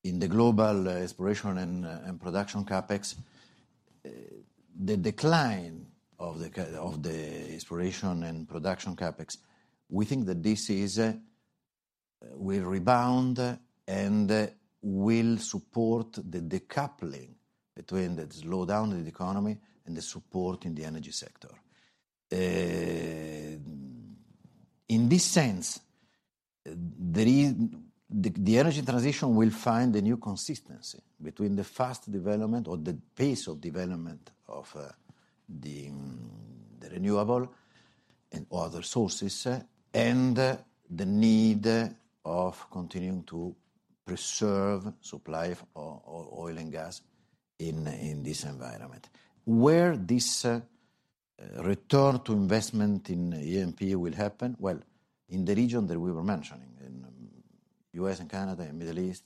Speaker 2: in the global exploration and production CapEx, the decline of the exploration and production CapEx, we think that this will rebound and will support the decoupling between the slowdown in the economy and the support in the energy sector. In this sense, the energy transition will find a new consistency between the fast development or the pace of development of the renewable and other sources, and the need of continuing to preserve supply of oil and gas in this environment. Where this return to investment in E&P will happen? Well, in the region that we were mentioning, in U.S. and Canada and Middle East,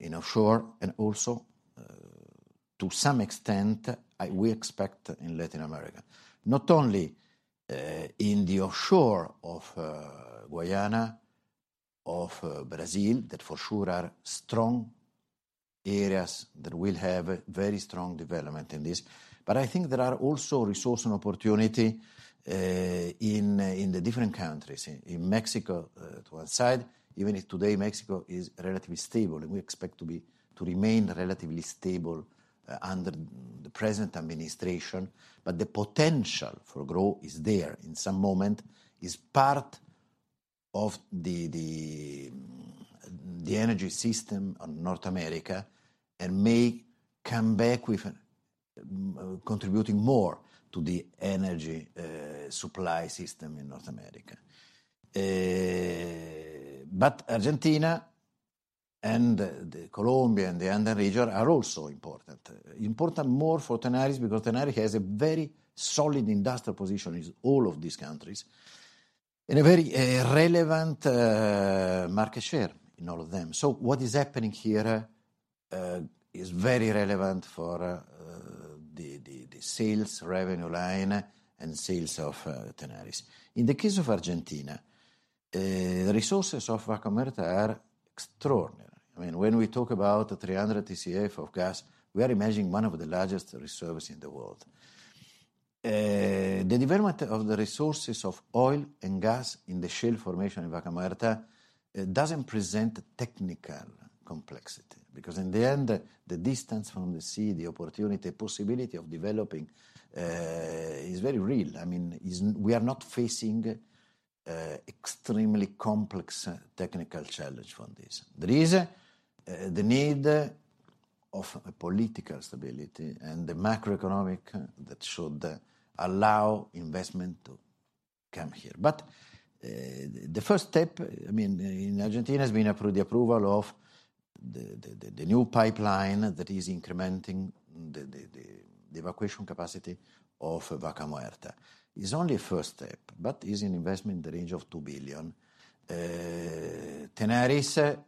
Speaker 2: in offshore, and also, to some extent, we expect in Latin America. Not only in the offshore of Guyana of Brazil that for sure are strong areas that will have very strong development in this. I think there are also resources and opportunities in the different countries. In Mexico on one side, even if today Mexico is relatively stable, and we expect to remain relatively stable under the present administration. The potential for growth is there in some moment, is part of the energy system of North America, and may come back with contributing more to the energy supply system in North America. Argentina and Colombia and the Andean region are also important, more for Tenaris because Tenaris has a very solid industrial position in all of these countries, and a very relevant market share in all of them. What is happening here is very relevant for the sales revenue line and sales of Tenaris. In the case of Argentina, the resources of Vaca Muerta are extraordinary. I mean, when we talk about 300 TCF of gas, we are managing one of the largest reserves in the world. The development of the resources of oil and gas in the shale formation in Vaca Muerta doesn't present technical complexity, because in the end, the distance from the sea, the opportunity, possibility of developing is very real. I mean, we are not facing extremely complex technical challenge from this. There is the need of political stability and the macroeconomic that should allow investment to come here. The first step, I mean, in Argentina, has been the approval of the new pipeline that is incrementing the evacuation capacity of Vaca Muerta. It's only a first step, but is an investment in the range of $2 billion. Tenaris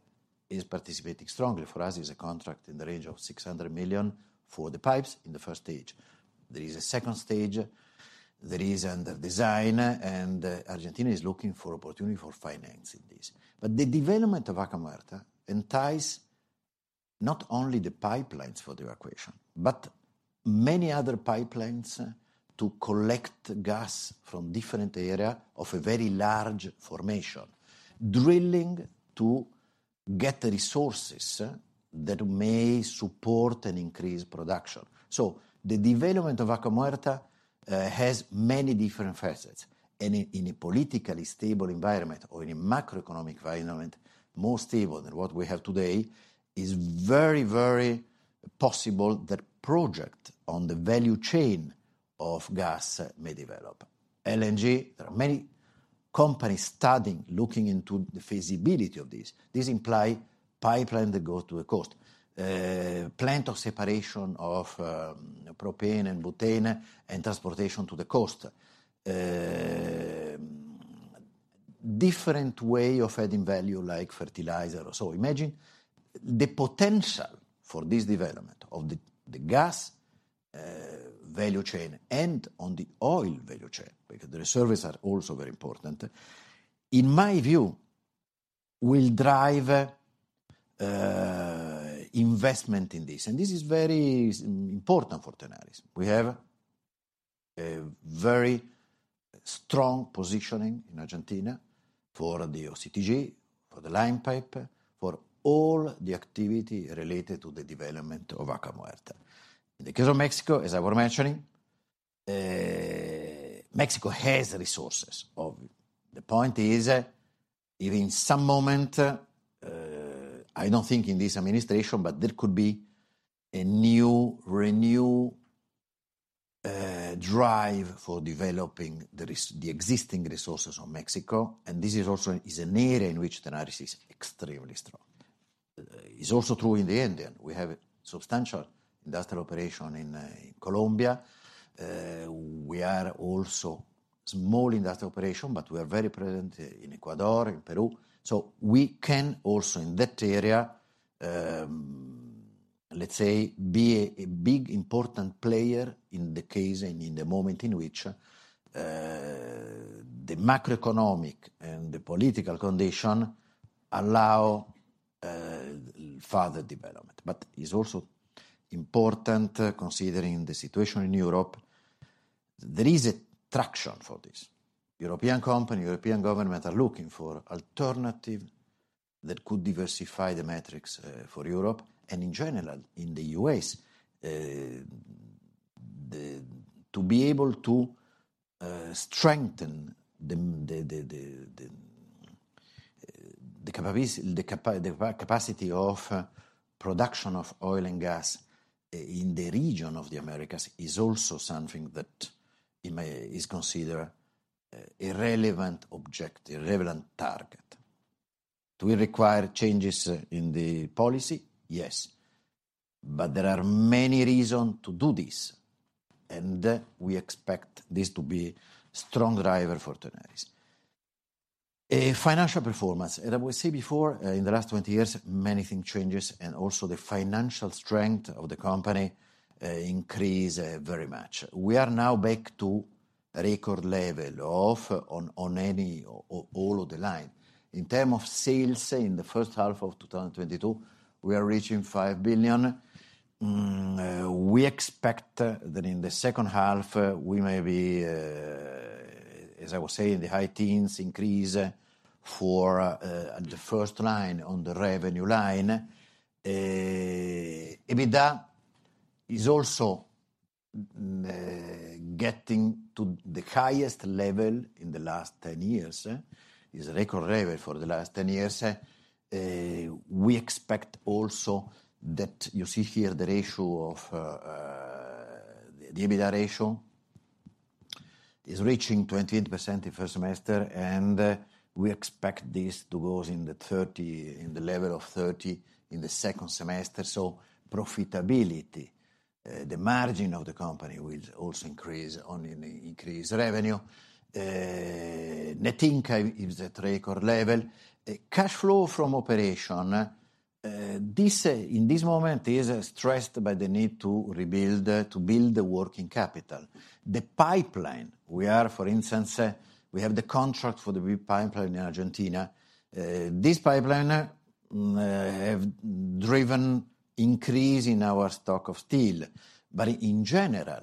Speaker 2: is participating strongly. For us, it's a contract in the range of $600 million for the pipes in the first stage. There is a second stage. There is under design, and Argentina is looking for opportunity for financing this. The development of Vaca Muerta entails not only the pipelines for the evacuation, but many other pipelines to collect gas from different area of a very large formation. Drilling to get the resources that may support an increased production. The development of Vaca Muerta has many different facets, and in a politically stable environment or in a macroeconomic environment, more stable than what we have today, is very possible that project on the value chain of gas may develop. LNG, there are many companies studying, looking into the feasibility of this. This imply pipeline that go to the coast. Plant of separation of propane and butane and transportation to the coast. Different way of adding value like fertilizer. Imagine the potential for this development of the gas value chain and on the oil value chain, because the reserves are also very important. In my view, will drive investment in this. This is very important for Tenaris. We have a very strong positioning in Argentina for the OCTG, for the line pipe, for all the activity related to the development of Vaca Muerta. In the case of Mexico, as I were mentioning, Mexico has resources of. The point is, if in some moment, I don't think in this administration, but there could be a new renew drive for developing the existing resources of Mexico, and this also is an area in which Tenaris is extremely strong. Is also true in the Andean. We have substantial industrial operation in Colombia. We have also a small industrial operation, but we are very present in Ecuador, in Peru. We can also in that area, let's say, be a big important player in the case and in the moment in which the macroeconomic and the political conditions allow further development. But it's also important considering the situation in Europe, there is a traction for this. European company, European government are looking for alternative that could diversify the mix for Europe and in general, in the U.S. To be able to strengthen the capacity of production of oil and gas in the region of the Americas is also something that is considered a relevant objective, a relevant target. Do we require changes in the policy? Yes. But there are many reasons to do this, and we expect this to be strong driver for Tenaris financial performance. As I was saying before, in the last 20 years, many things change and also the financial strength of the company increase very much. We are now back to record level on any or all of the lines. In terms of sales in the first half of 2022, we are reaching $5 billion. We expect that in the second half we may be, as I was saying, the high teens increase for the first line on the revenue line. EBITDA is also getting to the highest level in the last 10 years. It is record level for the last 10 years. We expect also that you see here the ratio of the EBITDA ratio is reaching 28% the first semester, and we expect this to go in the 30%, in the level of 30% in the second semester. Profitability, the margin of the company will also increase on an increased revenue. Net income is at record level. Cash flow from operation, this in this moment is stressed by the need to build the working capital. For instance, we have the contract for the new pipeline in Argentina. This pipeline have driven increase in our stock of steel. In general,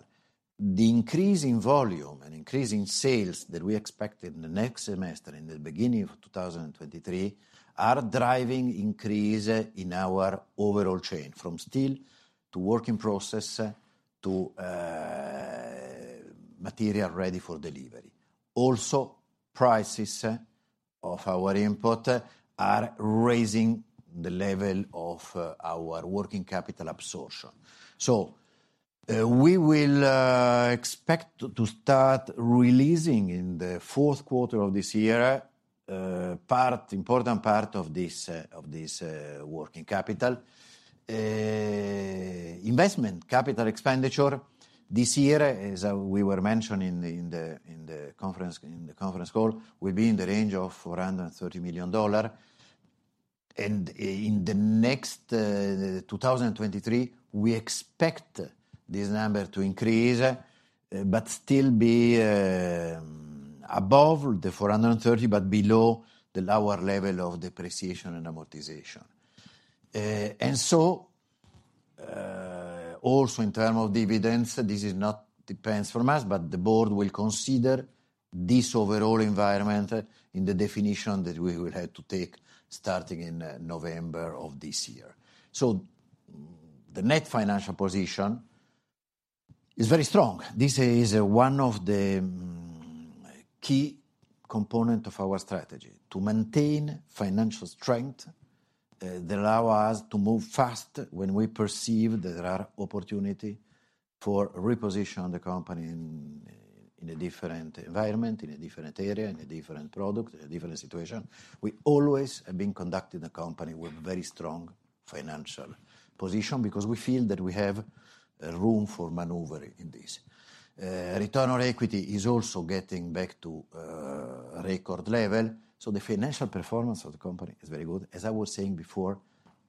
Speaker 2: the increase in volume and increase in sales that we expect in the next semester, in the beginning of 2023, are driving increase in our overall chain, from steel to work in process to material ready for delivery. Also, prices of our import are raising the level of our working capital absorption. We will expect to start releasing in the fourth quarter of this year important part of this working capital. Investment capital expenditure this year, as we were mentioning in the conference call, will be in the range of $430 million. In the next 2023, we expect this number to increase, but still be above $430 million, but below the lower level of depreciation and amortization. Also in terms of dividends, this does not depend on us, but the board will consider this overall environment in the decision that we will have to take starting in November of this year. The net financial position is very strong. This is one of the key component of our strategy, to maintain financial strength, that allow us to move fast when we perceive there are opportunities to reposition the company in a different environment, in a different area, in a different product, in a different situation. We always have been conducting the company with a very strong financial position because we feel that we have room for maneuvering in this. Return on equity is also getting back to a record level, so the financial performance of the company is very good. As I was saying before,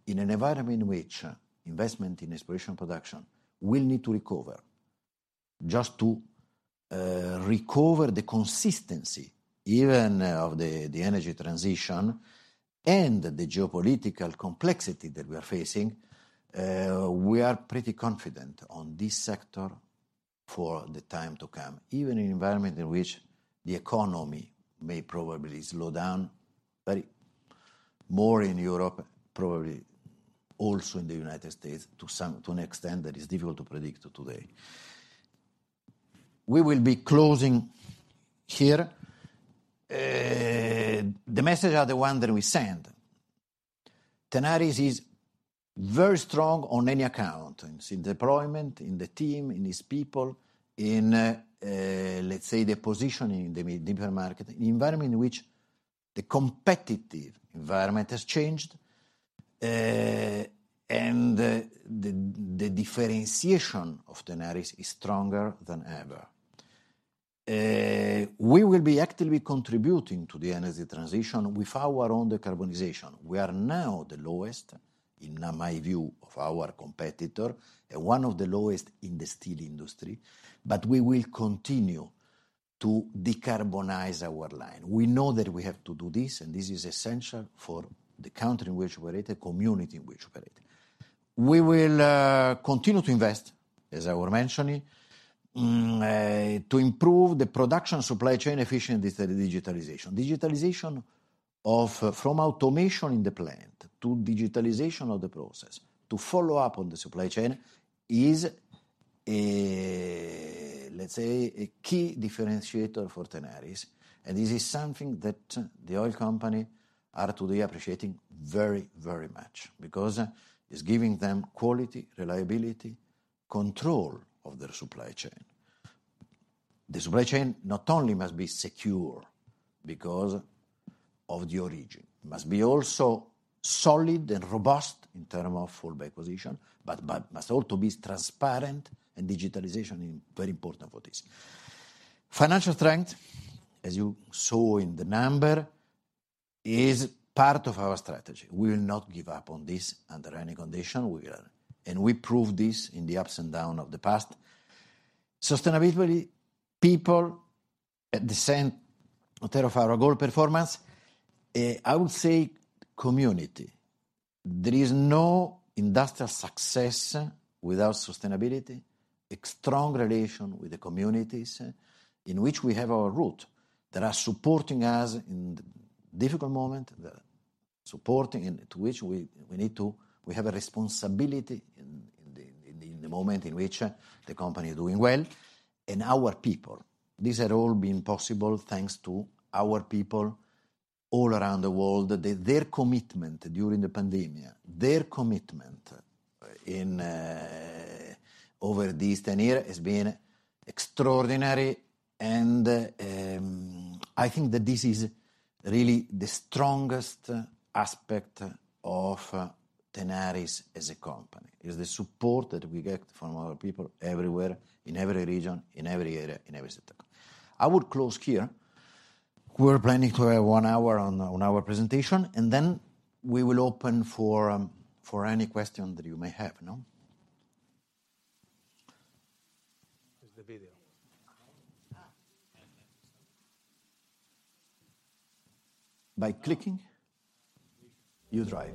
Speaker 2: in an environment in which investment in exploration and production will need to recover, just to recover the consistency even of the energy transition and the geopolitical complexity that we are facing, we are pretty confident on this sector for the time to come, even in an environment in which the economy may probably slow down even more in Europe, probably also in the United States, to some extent that is difficult to predict today. We will be closing here. The messages are the ones that we send. Tenaris is very strong on any account, in deployment, in the team, in its people, in, let's say the positioning in the different market, environment in which the competitive environment has changed, and the differentiation of Tenaris is stronger than ever. We will be actively contributing to the energy transition with our own decarbonization. We are now the lowest, in my view, among our competitors, and one of the lowest in the steel industry, but we will continue to decarbonize our line. We know that we have to do this, and this is essential for the country in which we operate, the community in which we operate. We will continue to invest, as I was mentioning, to improve the production supply chain efficiency through digitalization. Digitalization of, from automation in the plant to digitalization of the process to follow up on the supply chain is a, let's say, a key differentiator for Tenaris. This is something that the oil company are today appreciating very, very much because it's giving them quality, reliability, control of their supply chain. The supply chain not only must be secure because of the origin, it must be also solid and robust in terms of fallback position, but must also be transparent, and digitalization is very important for this. Financial strength, as you saw in the numbers, is part of our strategy. We will not give up on this under any condition. We proved this in the ups and downs of the past. Sustainability, people at the same level of our goal performance, I would say community. There is no industrial success without sustainability. A strong relation with the communities in which we have our root, that are supporting us in difficult moment, supporting and to which we need to. We have a responsibility in the moment in which the company is doing well and our people. These have all been possible, thanks to our people all around the world. Their commitment during the pandemic and over this ten-year has been extraordinary and, I think that this is really the strongest aspect of Tenaris as a company, is the support that we get from our people everywhere, in every region, in every area, in every sector. I would close here. We're planning to have one hour on our presentation, and then we will open for any question that you may have now.
Speaker 1: There's the video.
Speaker 2: By clicking, you drive.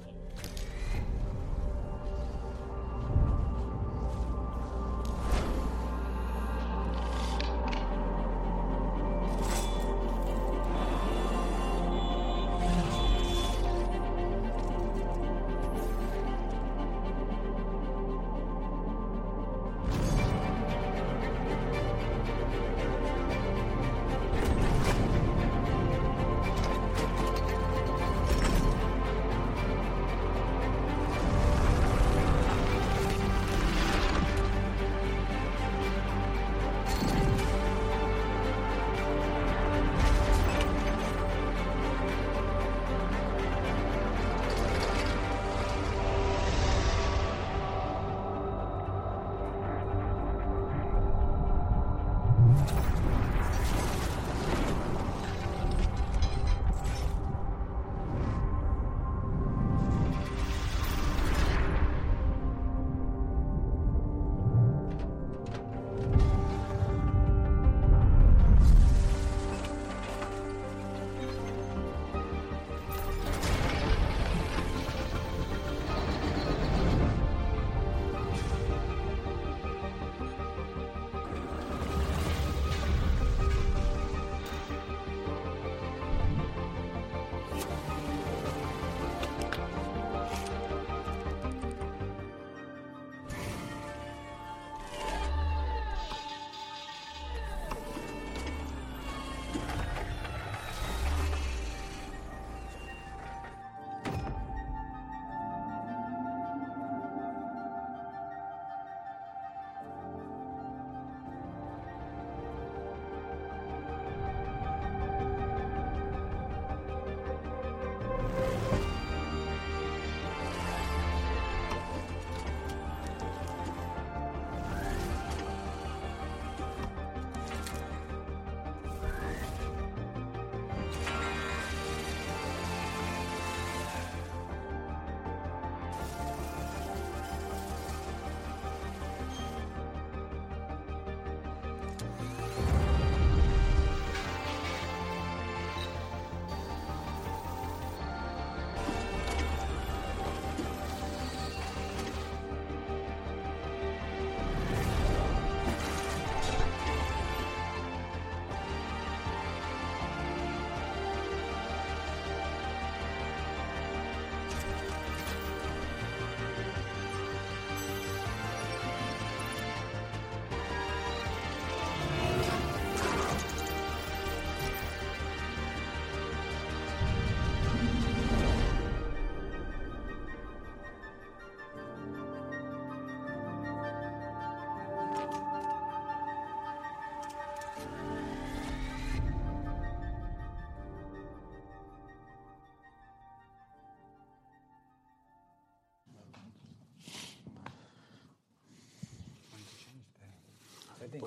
Speaker 2: Okay.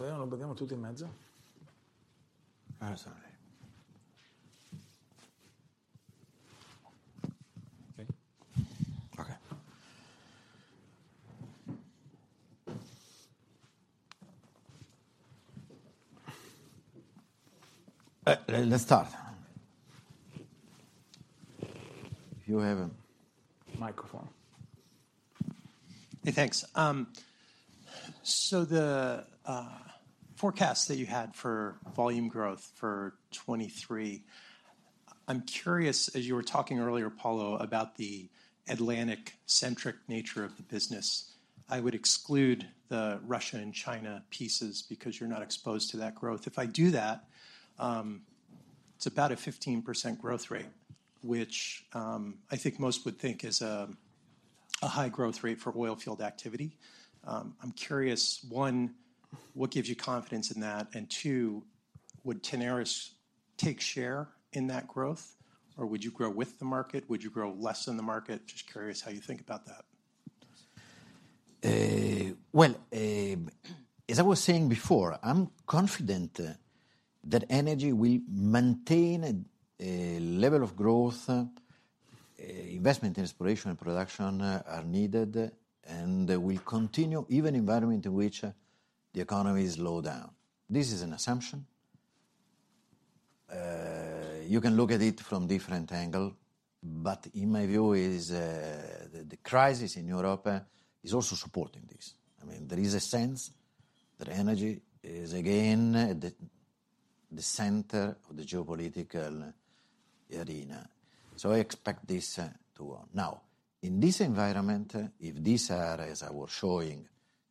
Speaker 2: Let's start. If you have a microphone.
Speaker 5: Hey, thanks. So the forecast that you had for volume growth for 2023, I'm curious, as you were talking earlier, Paolo, about the Atlantic-centric nature of the business, I would exclude the Russia and China pieces because you're not exposed to that growth. If I do that, it's about a 15% growth rate, which I think most would think is a high growth rate for oil field activity. I'm curious, one, what gives you confidence in that? Two, would Tenaris take share in that growth, or would you grow with the market? Would you grow less than the market? Just curious how you think about that.
Speaker 2: Well, as I was saying before, I'm confident that energy will maintain a level of growth. Investment, exploration and production are needed, and they will continue even in an environment in which the economy is slowing down. This is an assumption. You can look at it from different angle, but in my view, the crisis in Europe is also supporting this. I mean, there is a sense that energy is again the center of the geopolitical arena. Now, in this environment, if these are, as I was showing,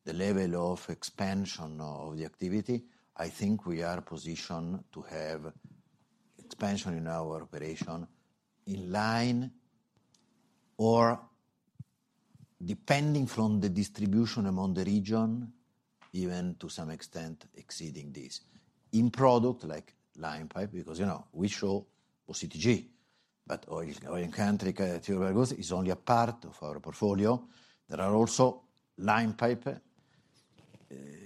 Speaker 2: the level of expansion of the activity, I think we are positioned to have expansion in our operation in line or depending on the distribution among the regions, even to some extent exceeding this. In products like line pipe, because, you know, we sell OCTG. Oil country tubular goods is only a part of our portfolio. There are also line pipe,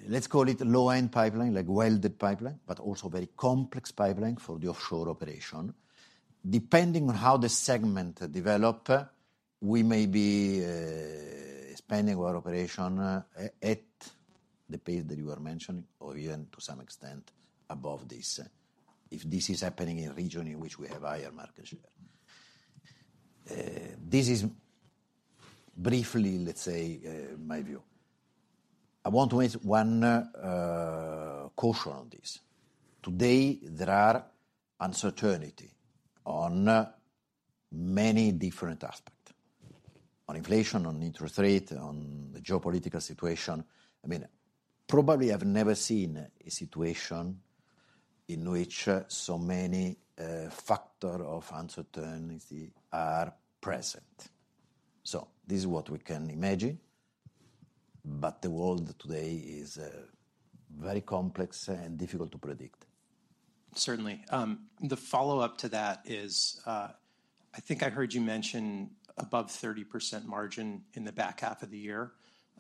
Speaker 2: let's call it low-end pipeline, like welded pipeline, but also very complex pipeline for the offshore operation. Depending on how the segment develop, we may be expanding our operation at the pace that you are mentioning or even to some extent above this, if this is happening in region in which we have higher market share. This is briefly, let's say, my view. I want to make one caution on this. Today, there are uncertainty on many different aspect, on inflation, on interest rate, on the geopolitical situation. I mean, probably I've never seen a situation in which so many factor of uncertainty are present. This is what we can imagine, but the world today is very complex and difficult to predict.
Speaker 5: Certainly. The follow-up to that is, I think I heard you mention above 30% margin in the back half of the year.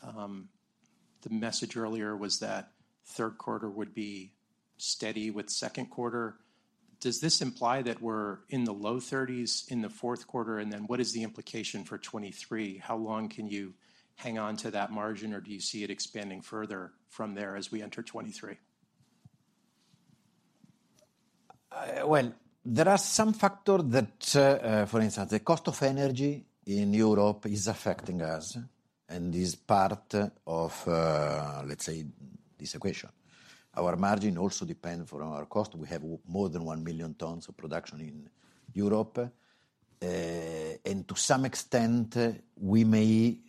Speaker 5: The message earlier was that third quarter would be steady with second quarter. Does this imply that we're in the low 30s in the fourth quarter? What is the implication for 2023? How long can you hang on to that margin, or do you see it expanding further from there as we enter 2023?
Speaker 2: Well, there are some factor that, for instance, the cost of energy in Europe is affecting us and is part of, let's say, this equation. Our margin also depend for our cost. We have more than 1 million tons of production in Europe. To some extent, we may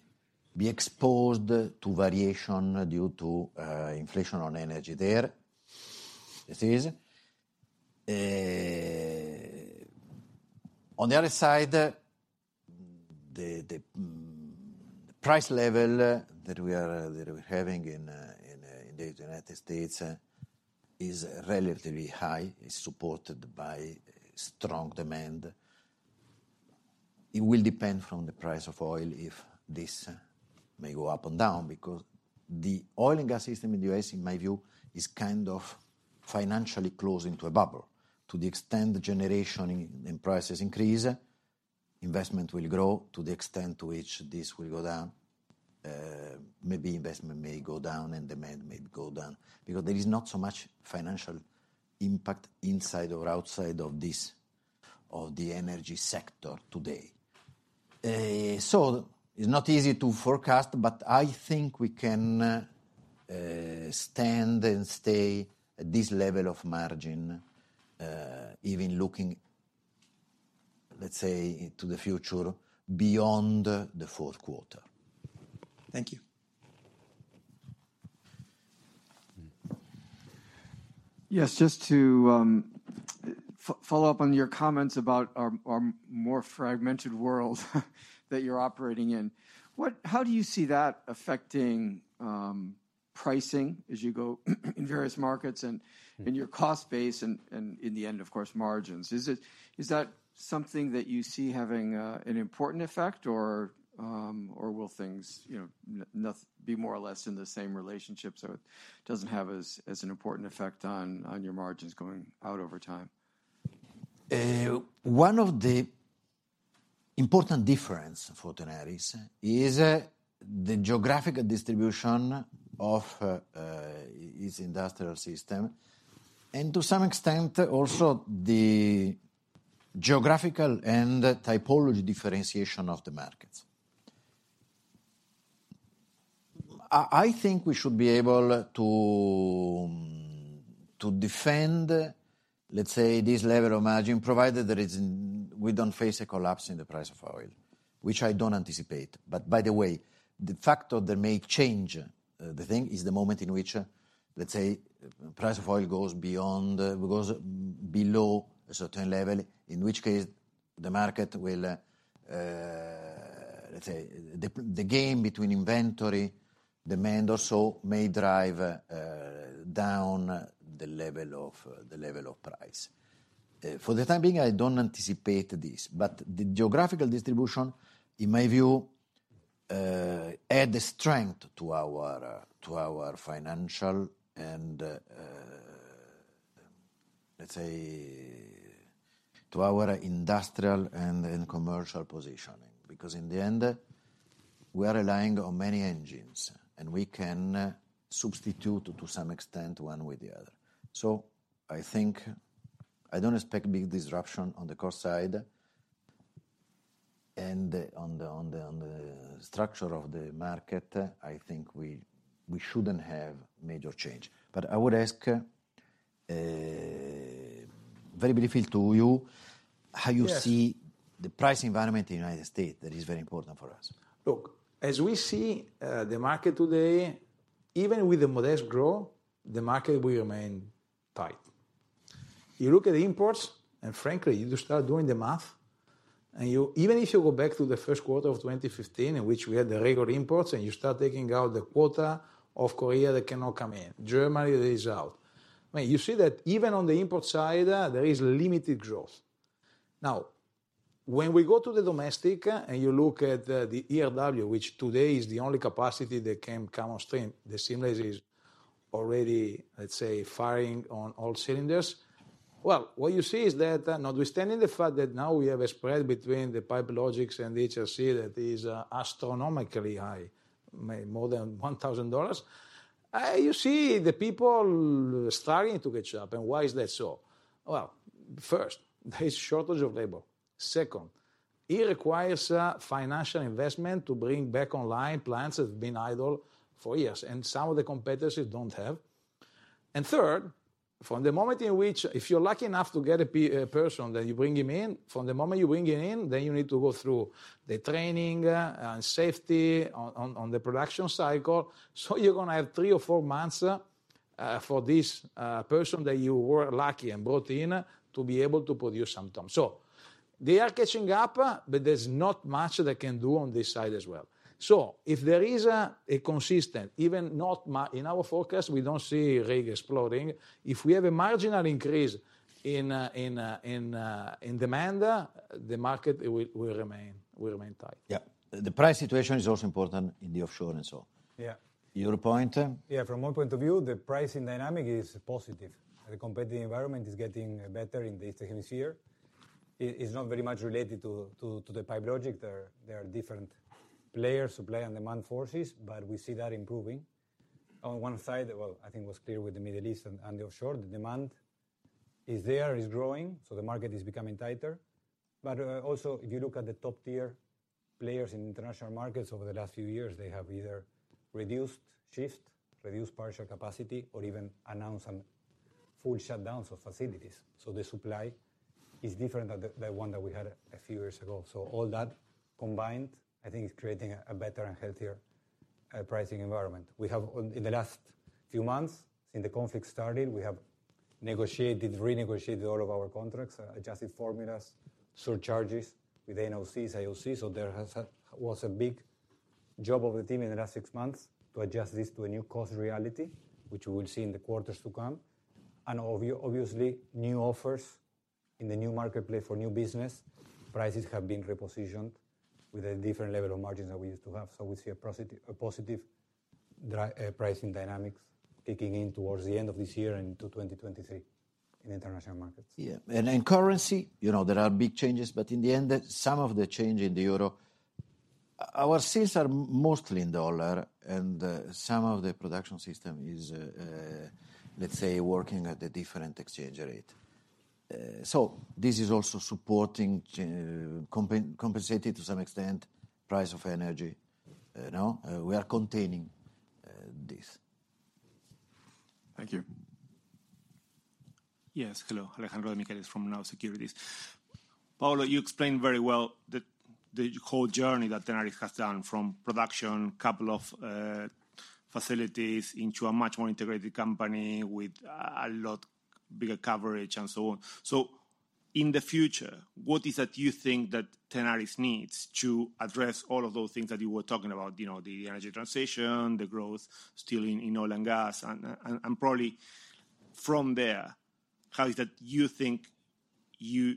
Speaker 2: be exposed to variation due to inflation on energy there. This is, on the other side, the price level that we're having in the United States is relatively high. It's supported by strong demand. It will depend from the price of oil if this may go up and down because the oil and gas system in U.S., in my view, is kind of financially close to a bubble. To the extent the escalation in prices increase, investment will grow. To the extent to which this will go down, maybe investment may go down and demand may go down because there is not so much financial impact inside or outside of this, of the energy sector today. It's not easy to forecast, but I think we can stand and stay at this level of margin, even looking, let's say, to the future beyond the fourth quarter.
Speaker 5: Thank you.
Speaker 6: Yes. Just to follow up on your comments about our more fragmented world that you're operating in. How do you see that affecting pricing as you go in various markets and your cost base and in the end, of course, margins? Is that something that you see having an important effect or will things, you know, be more or less in the same relationship, so it doesn't have as an important effect on your margins going out over time?
Speaker 2: One of the important difference for Tenaris is the geographic distribution of its industrial system, and to some extent also the geographical and typology differentiation of the markets. I think we should be able to defend, let's say, this level of margin, provided we don't face a collapse in the price of oil, which I don't anticipate. By the way, the factor that may change the thing is the moment in which, let's say, price of oil goes below a certain level, in which case the market will, let's say, the gap between inventory and demand also may drive down the level of price. For the time being, I don't anticipate this, but the geographical distribution, in my view, add strength to our financial and, let's say, to our industrial and commercial positioning. Because in the end, we are relying on many engines, and we can substitute to some extent one with the other. I think I don't expect big disruption on the cost side. On the structure of the market, I think we shouldn't have major change. I would ask, very briefly to you, how you see-
Speaker 3: Yes.
Speaker 2: The price environment in the United States that is very important for us.
Speaker 3: Look, as we see, the market today, even with the modest growth, the market will remain tight. You look at imports, and frankly, you just start doing the math, and you even if you go back to the first quarter of 2015 in which we had the regular imports, and you start taking out the quota of Korea that cannot come in, Germany is out. I mean, you see that even on the import side, there is limited growth. Now, when we go to the domestic and you look at the ERW, which today is the only capacity that can come on stream, the seamless is already, let's say, firing on all cylinders. Well, what you see is that notwithstanding the fact that now we have a spread between the PipeLogix and the HRC that is astronomically high, made more than $1,000, you see the people starting to catch up. Why is that so? Well, first, there is shortage of labor. Second, it requires financial investment to bring back online plants that have been idle for years, and some of the competitors don't have. Third, from the moment in which if you're lucky enough to get a person, then you bring him in. From the moment you bring him in, then you need to go through the training and safety on the production cycle. You're gonna have three or four months for this person that you were lucky and brought in to be able to produce some ton. They are catching up, but there's not much they can do on this side as well. If there is a consistent, even not in our forecast, we don't see rig exploding. If we have a marginal increase in demand, the market will remain tight.
Speaker 2: Yeah. The price situation is also important in the offshore and so on.
Speaker 3: Yeah.
Speaker 2: Your point?
Speaker 4: Yeah, from one point of view, the pricing dynamic is positive. The competitive environment is getting better in this year. It is not very much related to the PipeLogix. There are different players, supply and demand forces, but we see that improving. On one side, well, I think it was clear with the Middle East and the offshore, the demand is there, is growing, so the market is becoming tighter. Also, if you look at the top-tier players in international markets over the last few years, they have either reduced shift, reduced partial capacity, or even announced some full shutdowns of facilities. The supply is different than the one that we had a few years ago. All that combined, I think is creating a better and healthier pricing environment. We have in the last few months, since the conflict started, we have negotiated, renegotiated all of our contracts, adjusted formulas, surcharges with NOCs, IOCs. There was a big job of the team in the last six months to adjust this to a new cost reality, which we will see in the quarters to come. Obviously, new offers in the new marketplace for new business, prices have been repositioned with a different level of margins than we used to have. We see a positive pricing dynamics kicking in towards the end of this year and to 2023 in international markets.
Speaker 2: In currency, you know, there are big changes, but in the end, some of the change in the euro, our sales are mostly in dollar, and some of the production system is, let's say, working at a different exchange rate. So this is also supporting, compensating to some extent price of energy. You know, we are containing this.
Speaker 6: Thank you.
Speaker 7: Hello. Alejandro Demichelis from Nau Securities. Paolo, you explained very well the whole journey that Tenaris has done from a couple of production facilities into a much more integrated company with a lot bigger coverage and so on. In the future, what is that you think that Tenaris needs to address all of those things that you were talking about, you know, the energy transition, the growth still in oil and gas? Probably from there, how is that you think you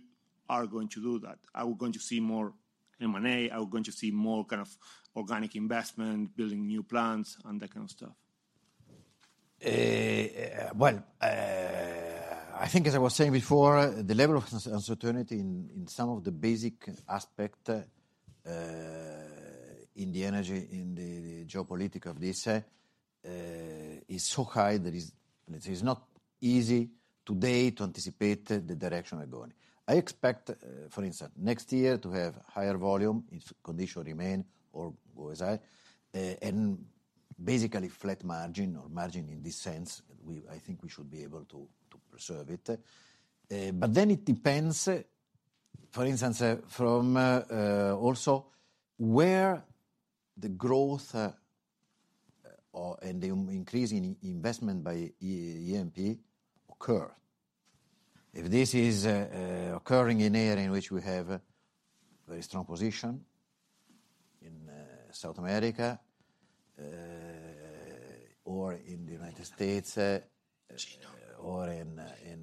Speaker 7: are going to do that? Are we going to see more M&A? Are we going to see more kind of organic investment, building new plants and that kind of stuff?
Speaker 2: I think as I was saying before, the level of uncertainty in some of the basic aspect in the energy in the geopolitical visa is so high that, let's say, it's not easy today to anticipate the direction we're going. I expect, for instance, next year to have higher volume if condition remain or goes high, and basically flat margin or margin in this sense. I think we should be able to preserve it. It depends, for instance, from also where the growth or the increase in investment by E&P occur. If this is occurring in area in which we have a very strong position. South America, or in the United States, or in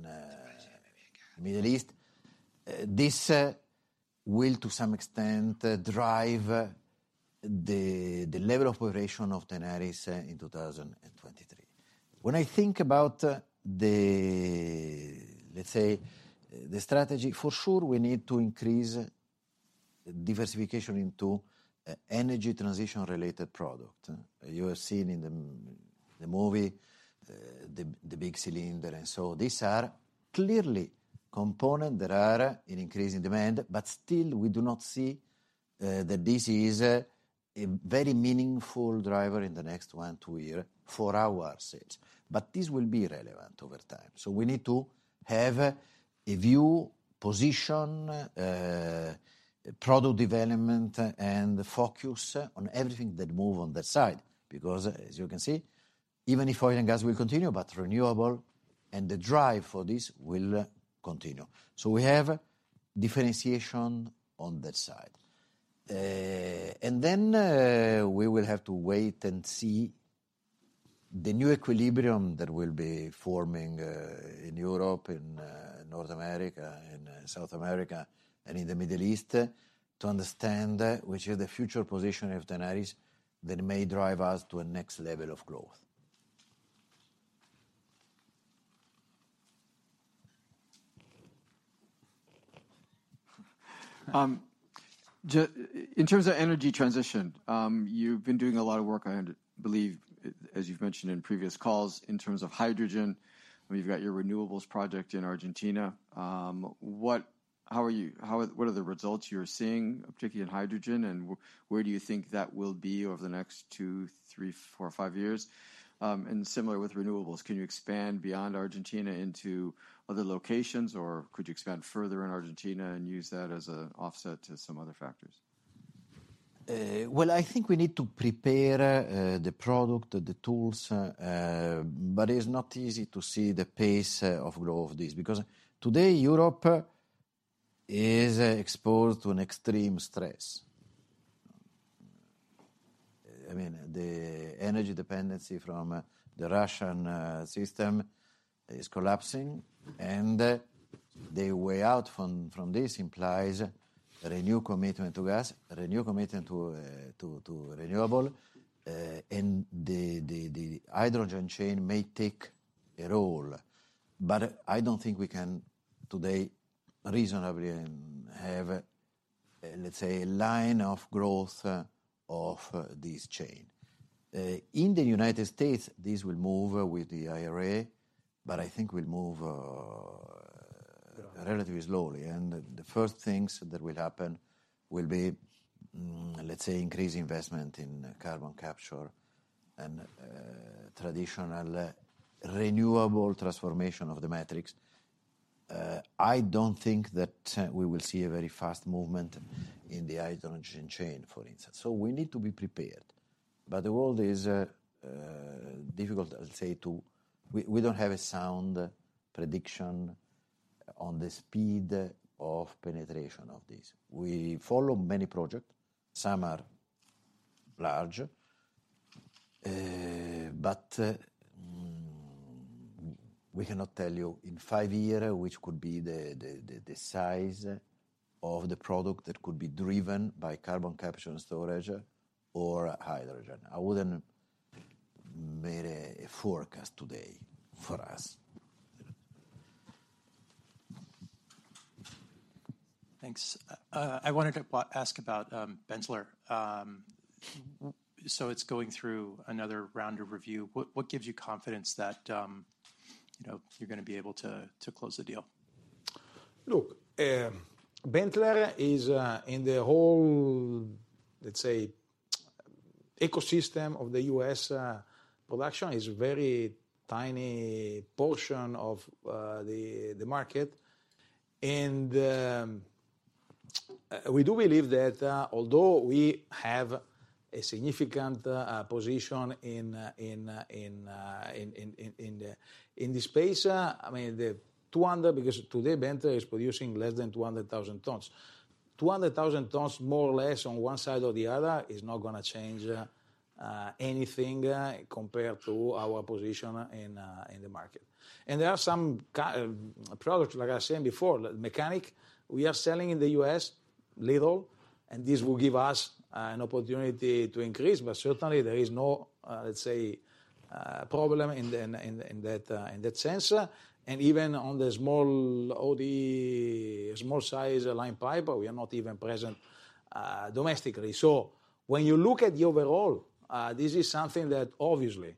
Speaker 2: the Middle East, this will to some extent drive the level of operation of Tenaris in 2023. When I think about the, let's say, the strategy, for sure we need to increase diversification into energy transition related product. You have seen in the movie the big cylinder. These are clearly component that are in increasing demand, but still we do not see that this is a very meaningful driver in the next one, two year for our assets. This will be relevant over time. We need to have a view, position, product development, and focus on everything that move on that side. Because as you can see, even if oil and gas will continue, but renewable and the drive for this will continue. We have differentiation on that side. We will have to wait and see the new equilibrium that will be forming in Europe, in North America, in South America, and in the Middle East to understand which is the future position of Tenaris that may drive us to a next level of growth.
Speaker 7: In terms of energy transition, you've been doing a lot of work, I believe, as you've mentioned in previous calls, in terms of hydrogen. I mean, you've got your renewables project in Argentina. What are the results you're seeing, particularly in hydrogen, and where do you think that will be over the next two, three, four, five years? Similar with renewables, can you expand beyond Argentina into other locations, or could you expand further in Argentina and use that as an offset to some other factors?
Speaker 2: Well, I think we need to prepare the product, the tools, but it's not easy to see the pace of growth of this. Because today, Europe is exposed to an extreme stress. I mean, the energy dependency from the Russian system is collapsing, and the way out from this implies a new commitment to gas, a new commitment to renewable, and the hydrogen chain may take a role. But I don't think we can today reasonably have, let's say, a line of growth of this chain. In the United States, this will move with the IRA, but I think will move relatively slowly. The first things that will happen will be, let's say, increased investment in carbon capture and traditional renewable transformation of the markets. I don't think that we will see a very fast movement in the hydrogen chain, for instance. We need to be prepared. The world is difficult, I'll say. We don't have a sound prediction on the speed of penetration of this. We follow many projects, some are large, but we cannot tell you in five years which could be the size of the product that could be driven by carbon capture and storage or hydrogen. I wouldn't make a forecast today for us.
Speaker 5: Thanks. I wanted to ask about Benteler. It's going through another round of review. What gives you confidence that you know you're gonna be able to close the deal?
Speaker 2: Look, Benteler is in the whole, let's say, ecosystem of the U.S. production a very tiny portion of the market. We do believe that although we have a significant position in the space, I mean, the 200 because today Benteler is producing less than 200,000 tons. 200,000 tons more or less on one side or the other is not gonna change anything compared to our position in the market. There are some products, like I was saying before, mechanical, we are selling in the U.S. little, and this will give us an opportunity to increase, but certainly there is no, let's say, problem in that sense. Even on the small OD, small size line pipe, we are not even present domestically. When you look at the overall, this is something that obviously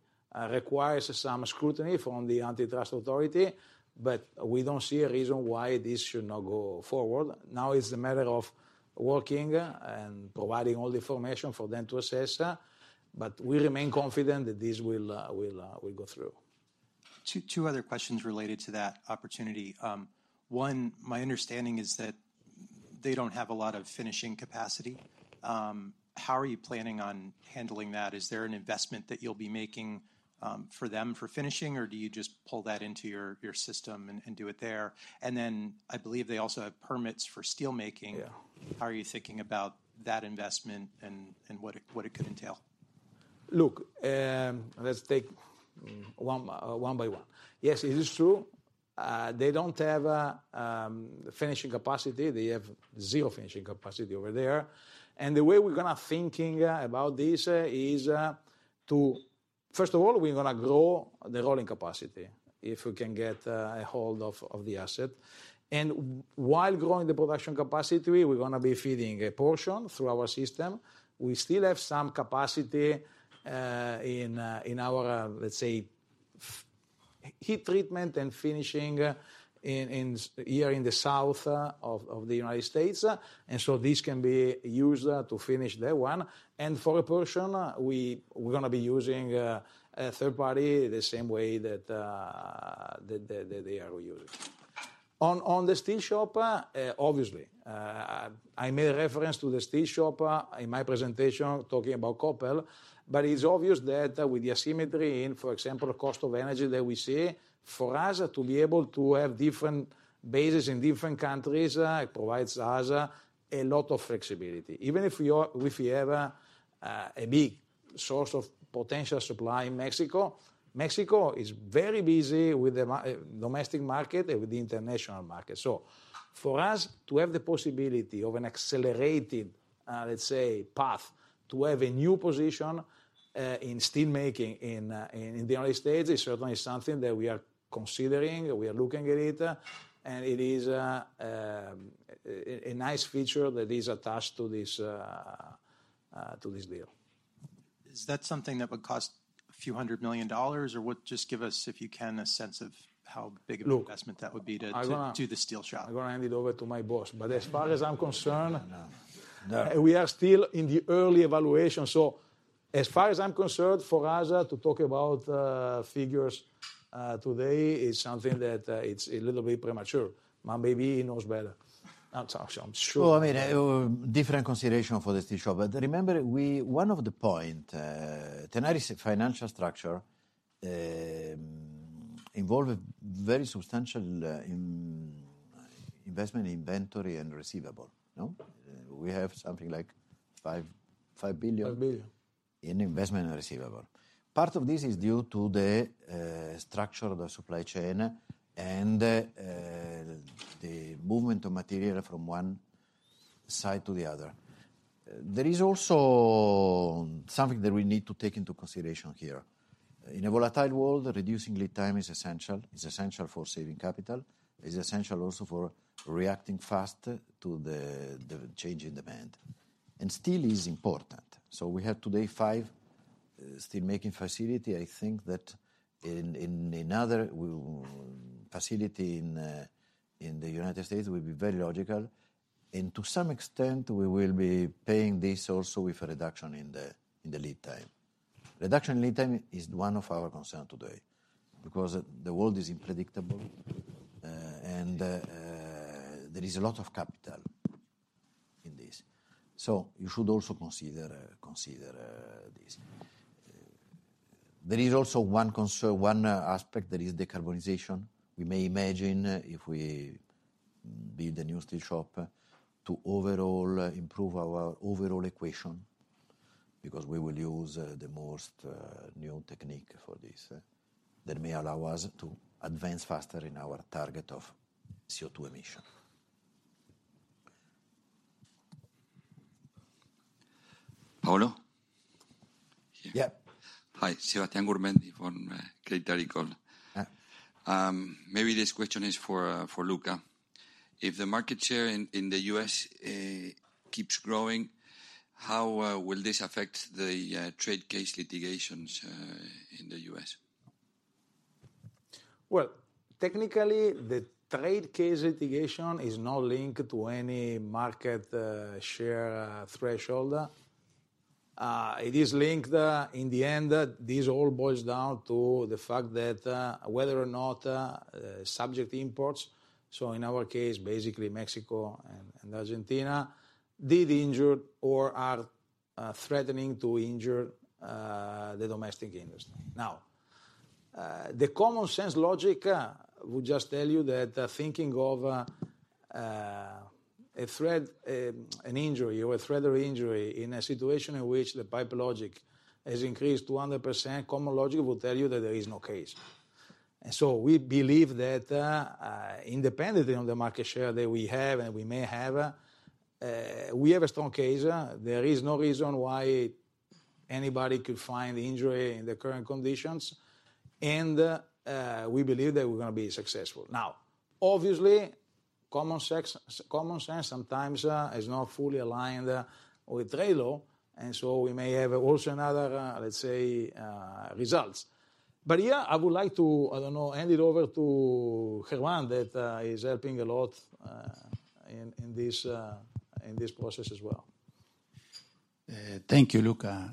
Speaker 2: requires some scrutiny from the antitrust authority, but we don't see a reason why this should not go forward. Now it's a matter of working and providing all the information for them to assess, but we remain confident that this will go through.
Speaker 5: Two other questions related to that opportunity. One, my understanding is that they don't have a lot of finishing capacity. How are you planning on handling that, is there an investment that you'll be making for them for finishing, or do you just pull that into your system and do it there? Then I believe they also have permits for steelmaking.
Speaker 3: Yeah.
Speaker 5: How are you thinking about that investment and what it could entail?
Speaker 3: Look, let's take one by one. Yes, it is true. They don't have a finishing capacity. They have zero finishing capacity over there. The way we're gonna be thinking about this is to first of all, we're gonna grow the rolling capacity, if we can get a hold of the asset. While growing the production capacity, we're gonna be feeding a portion through our system. We still have some capacity in our, let's say, heat treatment and finishing in here in the South of the United States. This can be used to finish that one. For a portion, we're gonna be using a third party the same way that they are using. On the steel shop, obviously, I made a reference to the steel shop in my presentation talking about Koppel, but it's obvious that with the asymmetry in, for example, cost of energy that we see, for us to be able to have different bases in different countries, it provides us a lot of flexibility. Even if we have a big source of potential supply in Mexico is very busy with the domestic market and with the international market. For us to have the possibility of an accelerated, let's say, path to have a new position in steel making in the United States is certainly something that we are considering. We are looking at it, and it is a nice feature that is attached to this deal.
Speaker 5: Is that something that would cost a few hundred million dollars? Or what. Just give us, if you can, a sense of how big of an investment that would be to
Speaker 3: Look, I gonna-
Speaker 5: to the steel shop.
Speaker 3: I'm gonna hand it over to my boss. As far as I'm concerned.
Speaker 2: No. No.
Speaker 3: We are still in the early evaluation. As far as I'm concerned, for us, to talk about figures today is something that it's a little bit premature. Maybe he knows better. I'm sure.
Speaker 2: Well, I mean, different consideration for the steel shop. Remember, one of the point, Tenaris' financial structure involve a very substantial investment inventory and receivable. No? We have something like $5 billion-
Speaker 3: $5 billion.
Speaker 2: In investment and receivable. Part of this is due to the structure of the supply chain and the movement of material from one side to the other. There is also something that we need to take into consideration here. In a volatile world, reducing lead time is essential. It's essential for saving capital. It's essential also for reacting faster to the change in demand. Steel is important. We have today five steel making facility. I think that another facility in the United States will be very logical. To some extent, we will be paying this also with a reduction in the lead time. Reduction in lead time is one of our concern today because the world is unpredictable and there is a lot of capital in this. You should also consider this. There is also one concern, one aspect that is decarbonization. We may imagine, if we build a new steel shop, to overall improve our overall equation because we will use the most new technique for this that may allow us to advance faster in our target of CO2 emission.
Speaker 8: Paolo?
Speaker 2: Yeah.
Speaker 8: Hi. Sebastian Gurmendi from Crédit Agricole. Maybe this question is for Luca. If the market share in the U.S. keeps growing, how will this affect the trade case litigations in the U.S.?
Speaker 3: Well, technically, the trade case litigation is not linked to any market share threshold. It is linked, in the end, this all boils down to the fact that, whether or not, subject imports, so in our case, basically Mexico and Argentina, did injure or are threatening to injure the domestic industry. Now, the common sense logic will just tell you that, thinking of a threat, an injury or a threat or injury in a situation in which the PipeLogix has increased 200%, common logic will tell you that there is no case. We believe that, independently of the market share that we have and we may have, we have a strong case. There is no reason why anybody could find injury in the current conditions and we believe that we're gonna be successful. Now, obviously, common sense sometimes is not fully aligned with trade law, and so we may have also another, let's say, results. Here, I would like to, I don't know, hand it over to Germán Curá that is helping a lot in this process as well.
Speaker 9: Thank you, Luca.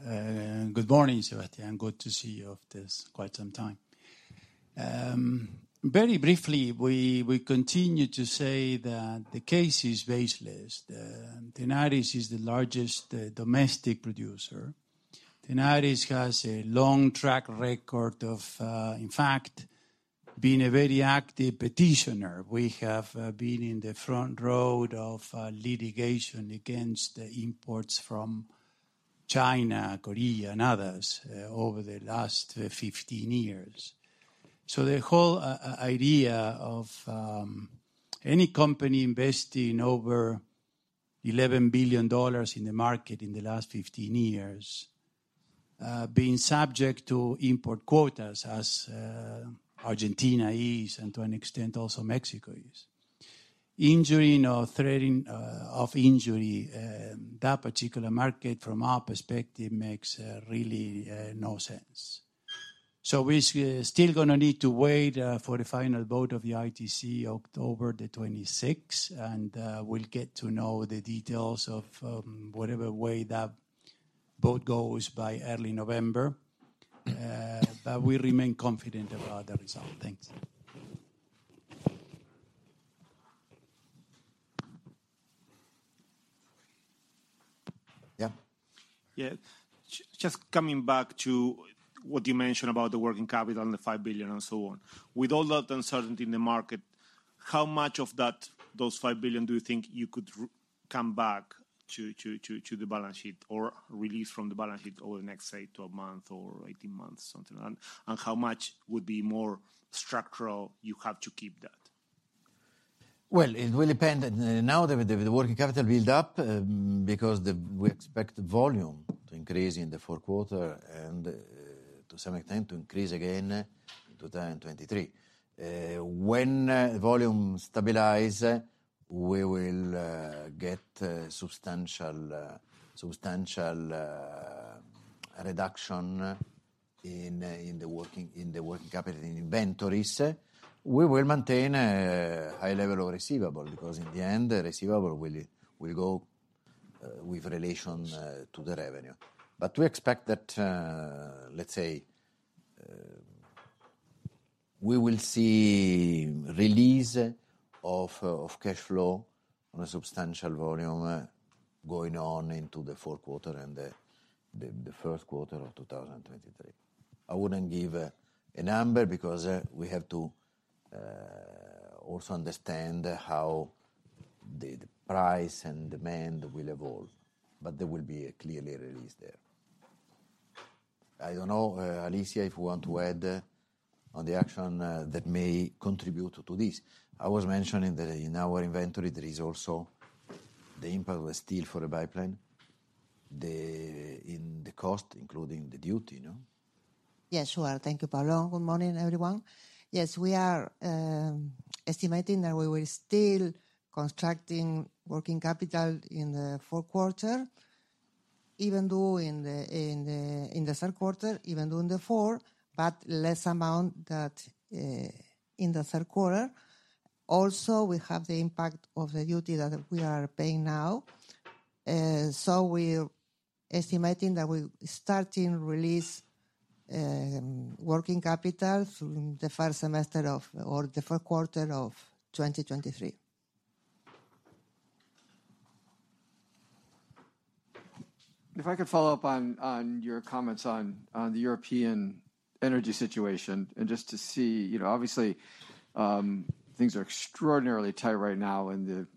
Speaker 9: Good morning, Sebastian. Good to see you after quite some time. Very briefly, we continue to say that the case is baseless. Tenaris is the largest domestic producer. Tenaris has a long track record of, in fact, being a very active petitioner. We have been in the front row of litigation against the imports from China, Korea, and others, over the last 15 years. The whole idea of any company investing over $11 billion in the market in the last 15 years, being subject to import quotas as Argentina is, and to an extent also Mexico is, injury or threatening of injury, that particular market from our perspective makes really no sense. We still gonna need to wait for the final vote of the ITC October 26, and we'll get to know the details of whatever way that vote goes by early November. We remain confident about the result. Thanks.
Speaker 8: Yeah.
Speaker 7: Yeah. Just coming back to what you mentioned about the working capital and the $5 billion, and so on. With all that uncertainty in the market, how much of that, those $5 billion do you think you could come back to the balance sheet or release from the balance sheet over the next, say, 12 months or 18 months, something like that. How much would be more structural you have to keep that?
Speaker 2: Well, it will depend. Now the working capital build up because we expect volume to increase in the fourth quarter and to some extent to increase again in 2023. When volume stabilize, we will get a substantial reduction in the working capital inventories. We will maintain high level of receivable because in the end, the receivable will go with relation to the revenue. We expect that, let's say, we will see release of cash flow on a substantial volume going on into the fourth quarter and the first quarter of 2023. I wouldn't give a number because we have to also understand how the price and demand will evolve. There will be a clear release there. I don't know, Alicia, if you want to add on the action that may contribute to this. I was mentioning that in our inventory there is also the impact of steel for the pipeline, the, in the cost including the duty, you know.
Speaker 10: Yeah, sure. Thank you, Paolo. Good morning, everyone. Yes, we are estimating that we will still constructing working capital in the fourth quarter, but less amount than in the third quarter. Also, we have the impact of the duty that we are paying now. So we're estimating that we're starting release working capital through the first semester of or the fourth quarter of 2023.
Speaker 6: If I could follow up on your comments on the European energy situation, and just to see. You know, obviously, things are extraordinarily tight right now and the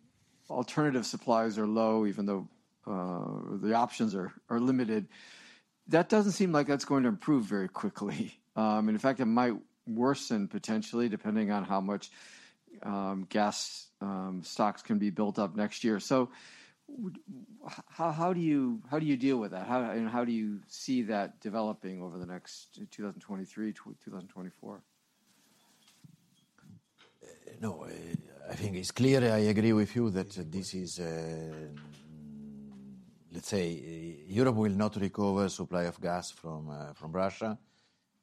Speaker 6: alternative supplies are low, even though the options are limited. That doesn't seem like that's going to improve very quickly. And in fact, it might worsen potentially, depending on how much gas stocks can be built up next year. How do you deal with that? How, you know, how do you see that developing over the next 2023, 2024?
Speaker 2: No, I think it's clear. I agree with you that this is, let's say, Europe will not recover supply of gas from Russia.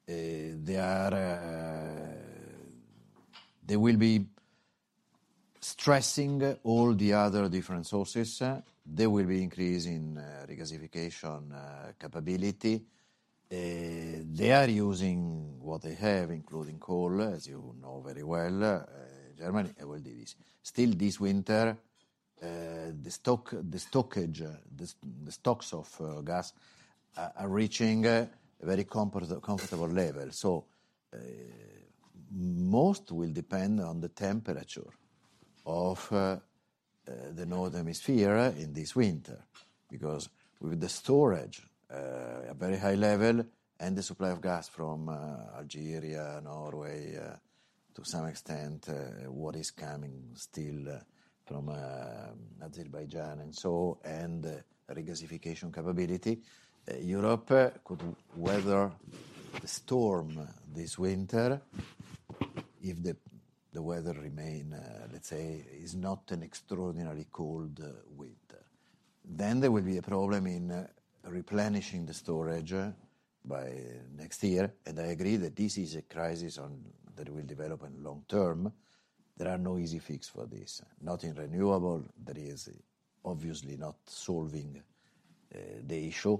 Speaker 2: They will be stressing all the other different sources. They will be increasing regasification capability. They are using what they have, including coal, as you know very well. Germany will do this. Still this winter, the stocks of gas are reaching a very comfortable level. Most will depend on the temperature of the Northern Hemisphere in this winter. Because with the storage, a very high level and the supply of gas from, Algeria, Norway, to some extent, what is coming still, from, Azerbaijan and so, and the regasification capability, Europe could weather the storm this winter if the weather remain, let's say, is not an extraordinarily cold winter. There will be a problem in replenishing the storage by next year, and I agree that this is a crisis, one that will develop in long term. There are no easy fix for this. Not in renewable, there is obviously not solving the issue.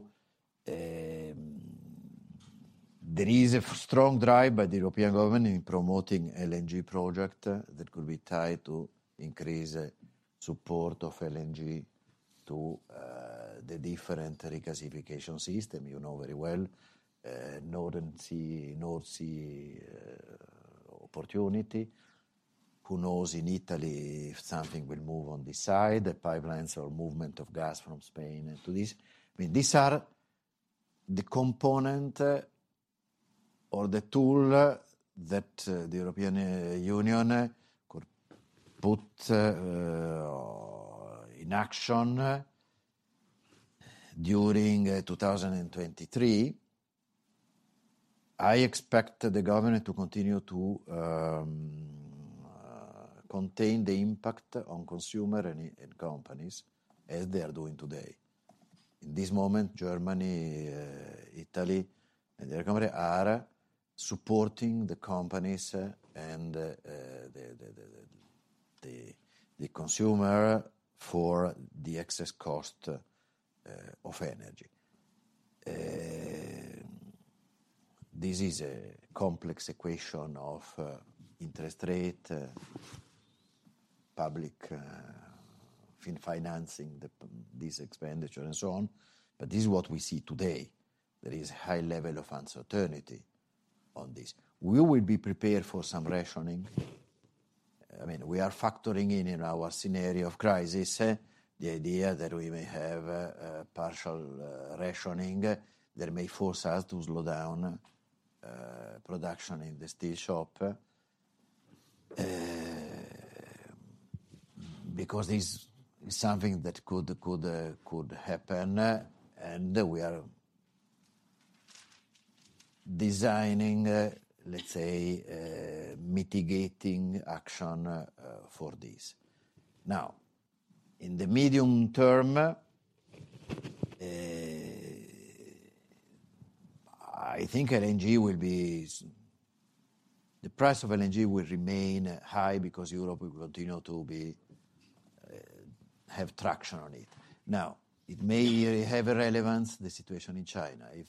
Speaker 2: There is a strong drive by the European government in promoting LNG project that could be tied to increase support of LNG to the different regasification system. You know very well, North Sea opportunity. Who knows in Italy if something will move on this side, the pipelines or movement of gas from Spain and to this. I mean, these are the component or the tool that the European Union could put in action during 2023. I expect the government to continue to contain the impact on consumer and companies as they are doing today. In this moment, Germany, Italy and the other country are supporting the companies and the consumer for the excess cost of energy. This is a complex equation of interest rate, public financing this expenditure and so on, but this is what we see today. There is high level of uncertainty on this. We will be prepared for some rationing. I mean, we are factoring in our scenario of crisis, the idea that we may have a partial rationing that may force us to slow down production in the steel shop. Because this is something that could happen, and we are designing, let's say, mitigating action for this. Now, in the medium term, I think the price of LNG will remain high because Europe will continue to have traction on it. Now, it may have a relevance, the situation in China. If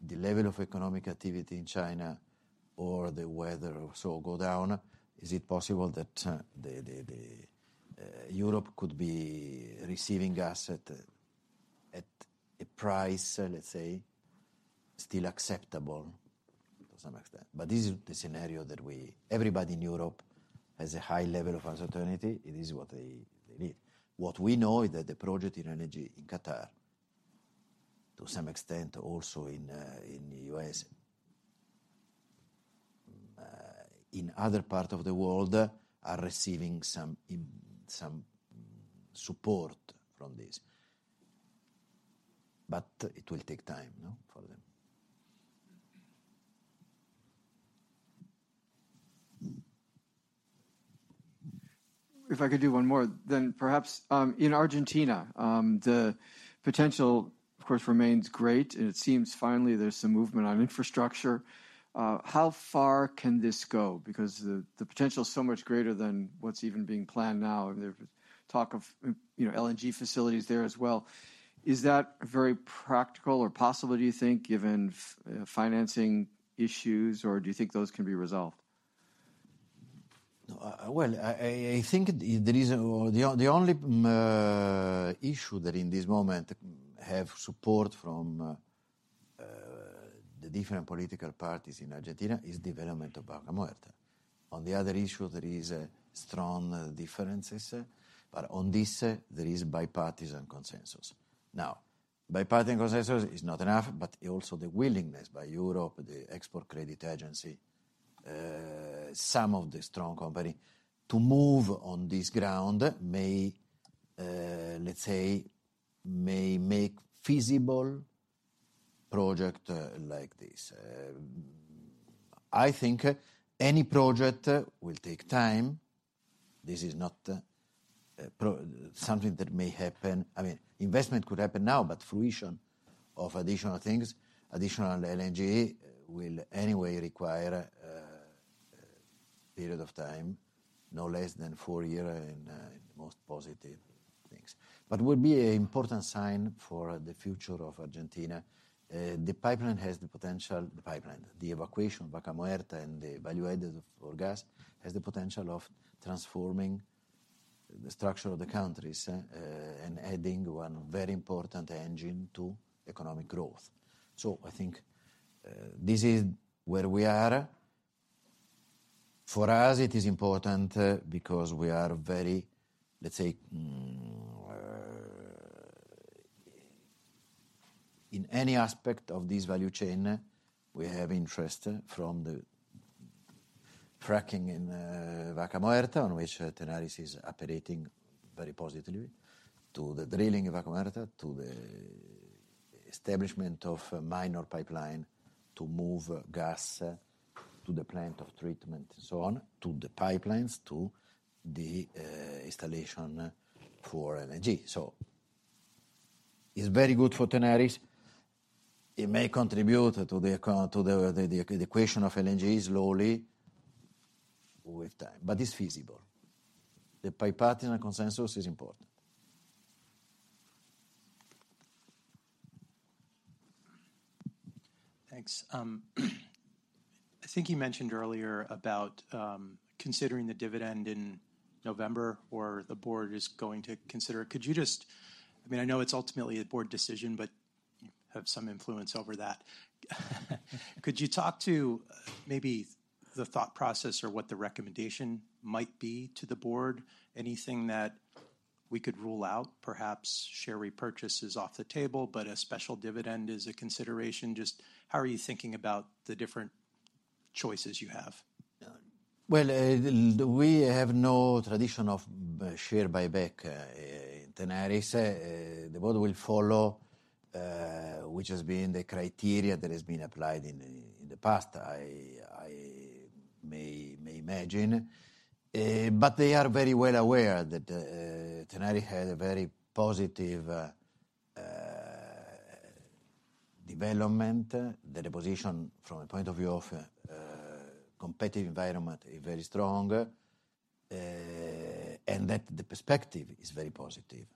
Speaker 2: the level of economic activity in China or the weather or so go down, is it possible that Europe could be receiving gas at a price, let's say, still acceptable to some extent. This is the scenario that we. Everybody in Europe has a high level of uncertainty. It is what they need. What we know is that the project in energy in Qatar, to some extent also in U.S., in other part of the world, are receiving some support from this. It will take time, no, for them.
Speaker 6: If I could do one more, then perhaps in Argentina the potential of course remains great, and it seems finally there's some movement on infrastructure. How far can this go? Because the potential is so much greater than what's even being planned now. I mean, there's talk of you know LNG facilities there as well. Is that very practical or possible, do you think, given financing issues, or do you think those can be resolved?
Speaker 2: No, well, I think the reason or the only issue that in this moment have support from the different political parties in Argentina is development of Vaca Muerta. On the other issue, there is strong differences, but on this, there is bipartisan consensus. Now, bipartisan consensus is not enough, but also the willingness by Europe, the Export Credit Agency, some of the strong company to move on this ground may, let's say, may make feasible project like this. I think any project will take time. This is not something that may happen. I mean, investment could happen now, but fruition of additional things, additional LNG will anyway require period of time, no less than four year in most positive things. It would be an important sign for the future of Argentina. The pipeline, the evacuation of Vaca Muerta and the value added for gas has the potential of transforming the structure of the countries and adding one very important engine to economic growth. I think this is where we are. For us, it is important because we are very, let's say, in any aspect of this value chain, we have interest from the fracking in Vaca Muerta, on which Tenaris is operating very positively, to the drilling of Vaca Muerta, to the establishment of a minor pipeline to move gas to the plant of treatment and so on, to the pipelines, to the installation for LNG. It's very good for Tenaris. It may contribute to the equation of LNG slowly. With time, but it's feasible. The bipartisan consensus is important.
Speaker 5: Thanks. I think you mentioned earlier about considering the dividend in November or the board is going to consider it. Could you just, I mean, I know it's ultimately a board decision, but you have some influence over that. Could you talk to maybe the thought process or what the recommendation might be to the board? Anything that we could rule out, perhaps share repurchase is off the table, but a special dividend is a consideration. Just how are you thinking about the different choices you have?
Speaker 2: Well, we have no tradition of share buyback in Tenaris. The board will follow which has been the criteria that has been applied in the past, I may imagine. They are very well aware that Tenaris had a very positive development. That the position from a point of view of competitive environment is very strong, and that the perspective is very positive.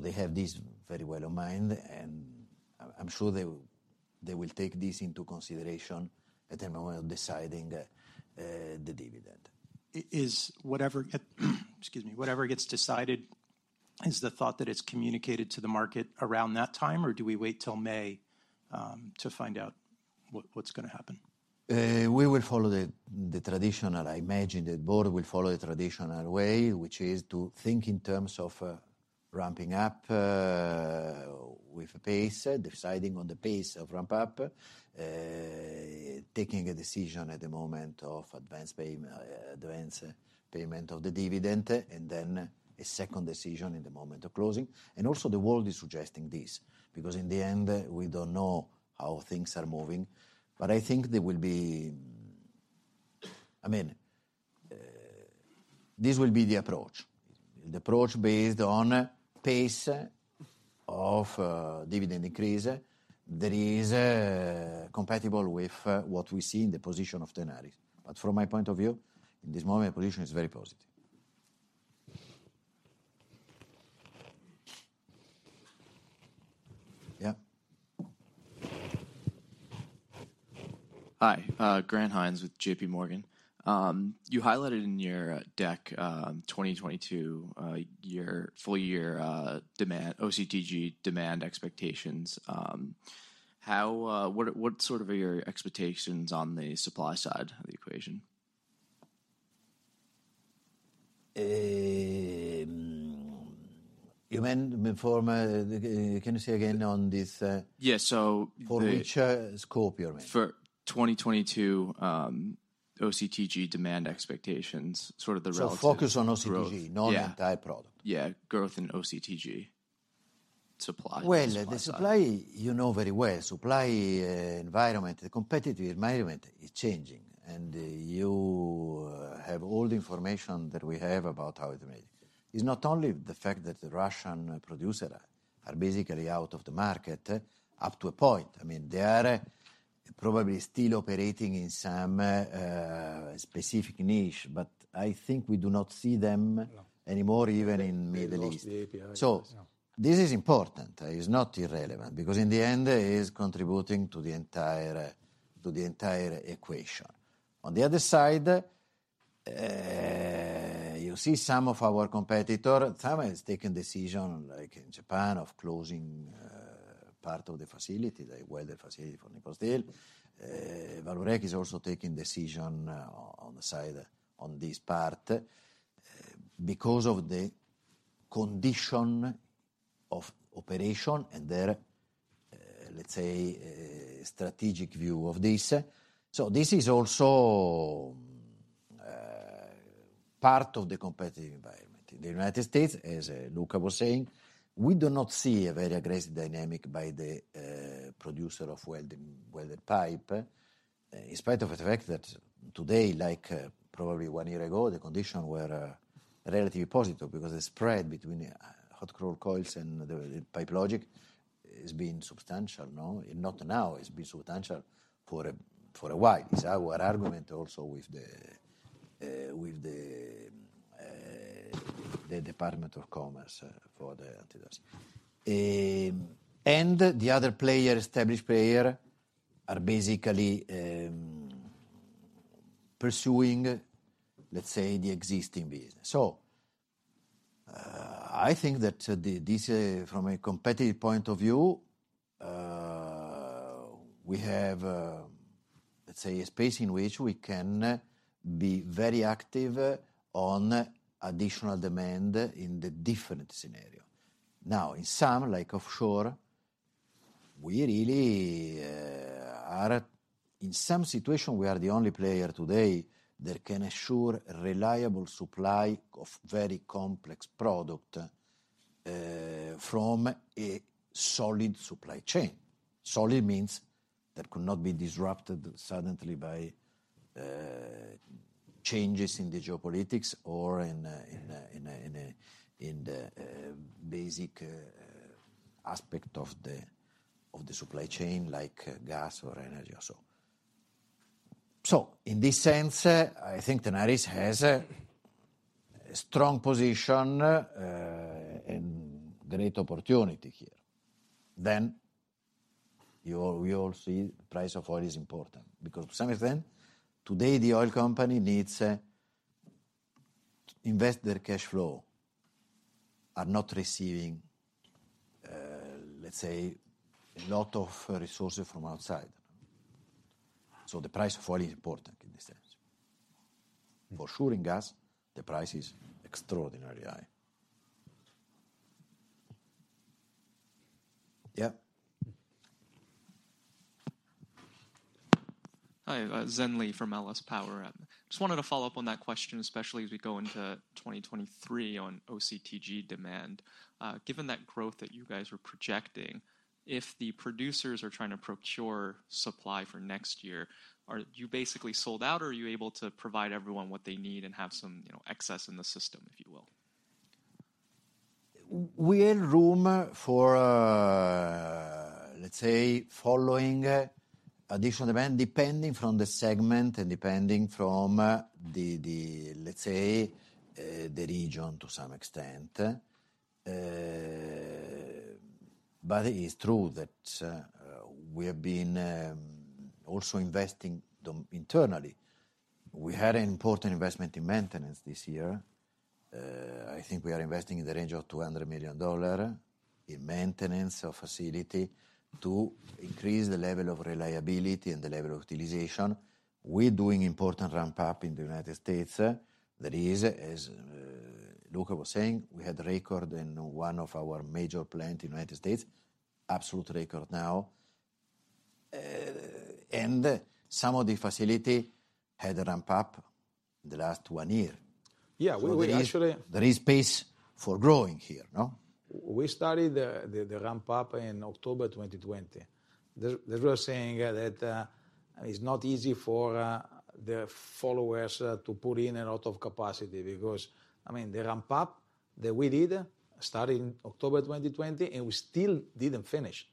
Speaker 2: They have this very well in mind, and I'm sure they will take this into consideration at the moment of deciding the dividend.
Speaker 5: Whatever gets decided, is the thought that it's communicated to the market around that time, or do we wait till May to find out what's gonna happen?
Speaker 2: We will follow the traditional. I imagine the board will follow the traditional way, which is to think in terms of ramping up with pace, deciding on the pace of ramp-up, taking a decision at the moment of advance payment of the dividend, and then a second decision in the moment of closing. Also the world is suggesting this, because in the end, we don't know how things are moving. I think there will be. I mean, this will be the approach. The approach based on pace of dividend increase that is compatible with what we see in the position of Tenaris. From my point of view, in this moment, our position is very positive. Yeah.
Speaker 11: Hi, Grant Hynes with JPMorgan. You highlighted in your deck 2022 full year OCTG demand expectations. What sort of are your expectations on the supply side of the equation?
Speaker 2: Can you say again on this?
Speaker 11: Yeah.
Speaker 2: For which scope you mean?
Speaker 11: For 2022, OCTG demand expectations, sort of the relative growth.
Speaker 2: Focus on OCTG.
Speaker 11: Yeah.
Speaker 2: Not entire product.
Speaker 11: Yeah. Growth in OCTG supply. The supply side.
Speaker 2: Well, the supply, you know very well. Supply environment, the competitive environment is changing, and you have all the information that we have about how it's made. It's not only the fact that the Russian producer are basically out of the market, up to a point. I mean, they are probably still operating in some specific niche, but I think we do not see them.
Speaker 11: No.
Speaker 2: Anymore, even in Middle East.
Speaker 11: They lost the API. Yeah.
Speaker 2: This is important. It is not irrelevant, because in the end, it is contributing to the entire equation. On the other side, you see some of our competitor, some has taken decision, like in Japan, of closing, part of the facility, like welded facility for Nippon Steel. Vallourec is also taking decision on the side on this part, because of the condition of operation and their, let's say, strategic view of this. This is also, part of the competitive environment. In the United States, as Luca was saying, we do not see a very aggressive dynamic by the producers of welded pipe in spite of the fact that today, like, probably one year ago, the conditions were relatively positive because the spread between hot rolled coils and the PipeLogix is being substantial now. Not now, it's been substantial for a while. It's our argument also with the Department of Commerce for the antitrust. The other established players are basically pursuing, let's say, the existing business. I think that this from a competitive point of view we have, let's say, a space in which we can be very active on additional demand in the different scenario. Now, in some, like offshore, we really are. In some situation, we are the only player today that can assure reliable supply of very complex product from a solid supply chain. Solid means that could not be disrupted suddenly by changes in the geopolitics or in the basic aspect of the supply chain, like gas or energy or so. In this sense, I think Tenaris has a strong position and great opportunity here. You all, we all see price of oil is important because to some extent today the oil company needs to invest their cash flow, are not receiving, let's say, a lot of resources from outside. The price of oil is important in this sense. For sure in gas, the price is extraordinarily high. Yeah.
Speaker 12: Hi. Zen L. from LS Power. Just wanted to follow up on that question, especially as we go into 2023 on OCTG demand. Given that growth that you guys were projecting, if the producers are trying to procure supply for next year, are you basically sold out or are you able to provide everyone what they need and have some, you know, excess in the system, if you will?
Speaker 2: We have room for, let's say, following additional demand, depending from the segment and depending from the, let's say, the region to some extent. It is true that we have been also investing them internally. We had an important investment in maintenance this year. I think we are investing in the range of $200 million in maintenance of facility to increase the level of reliability and the level of utilization. We're doing important ramp-up in the United States. That is, as Luca was saying, we had record in one of our major plant in United States, absolute record now. Some of the facility had ramp up the last one year.
Speaker 3: Yeah. We actually.
Speaker 2: There is space for growing here, no?
Speaker 3: We started the ramp-up in October 2020. The real thing is that it's not easy for the followers to put in a lot of capacity because, I mean, the ramp-up that we did started in October 2020, and we still didn't finish.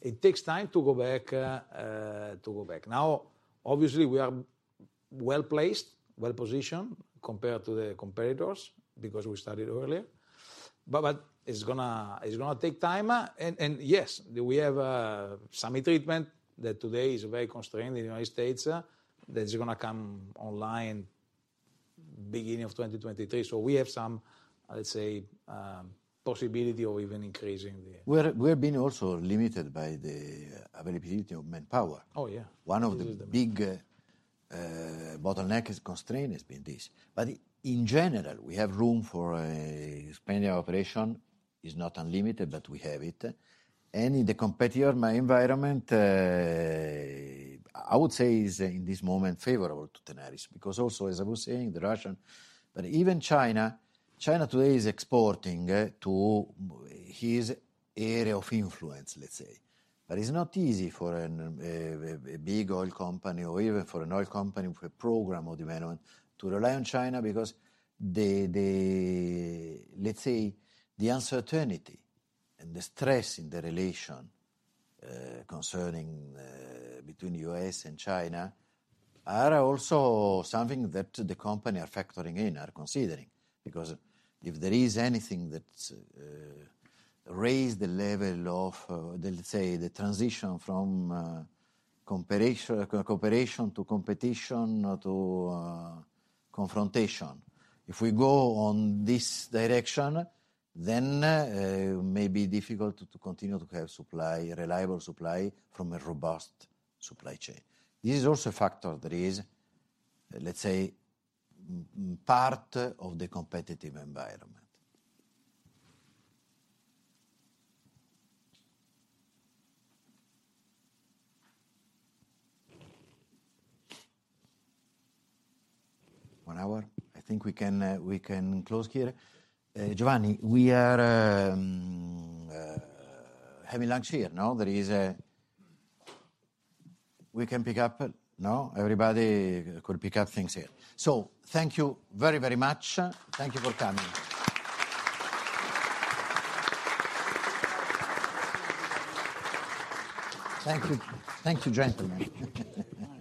Speaker 3: It takes time to go back. Now, obviously, we are well-placed, well-positioned compared to the competitors because we started earlier. But it's gonna take time. Yes, we have some treatment that today is very constrained in the United States that is gonna come online beginning of 2023. We have some, let's say, possibility of even increasing the
Speaker 2: We're being also limited by the availability of manpower.
Speaker 3: Oh, yeah.
Speaker 2: One of the big bottlenecks or constraints has been this. In general, we have room for expanding our operation. It's not unlimited, but we have it. In the competitive environment, I would say is in this moment favorable to Tenaris, because also, as I was saying. Even China today is exporting to its area of influence, let's say. It's not easy for a big oil company or even for an oil company with a program of development to rely on China because the uncertainty and the stress in the relations between U.S. and China are also something that the companies are factoring in, are considering. Because if there is anything that raises the level of, let's say, the transition from cooperation to competition to confrontation. If we go in this direction, then it may be difficult to continue to have reliable supply from a robust supply cha in. This is also a factor that is, let's say, part of the competitive environment. One hour. I think we can close here. Giovanni, we are having lunch here, no? We can pick up, no? Everybody could pick up things here. Thank you very much. Thank you for coming. Thank you. Thank you, gentlemen.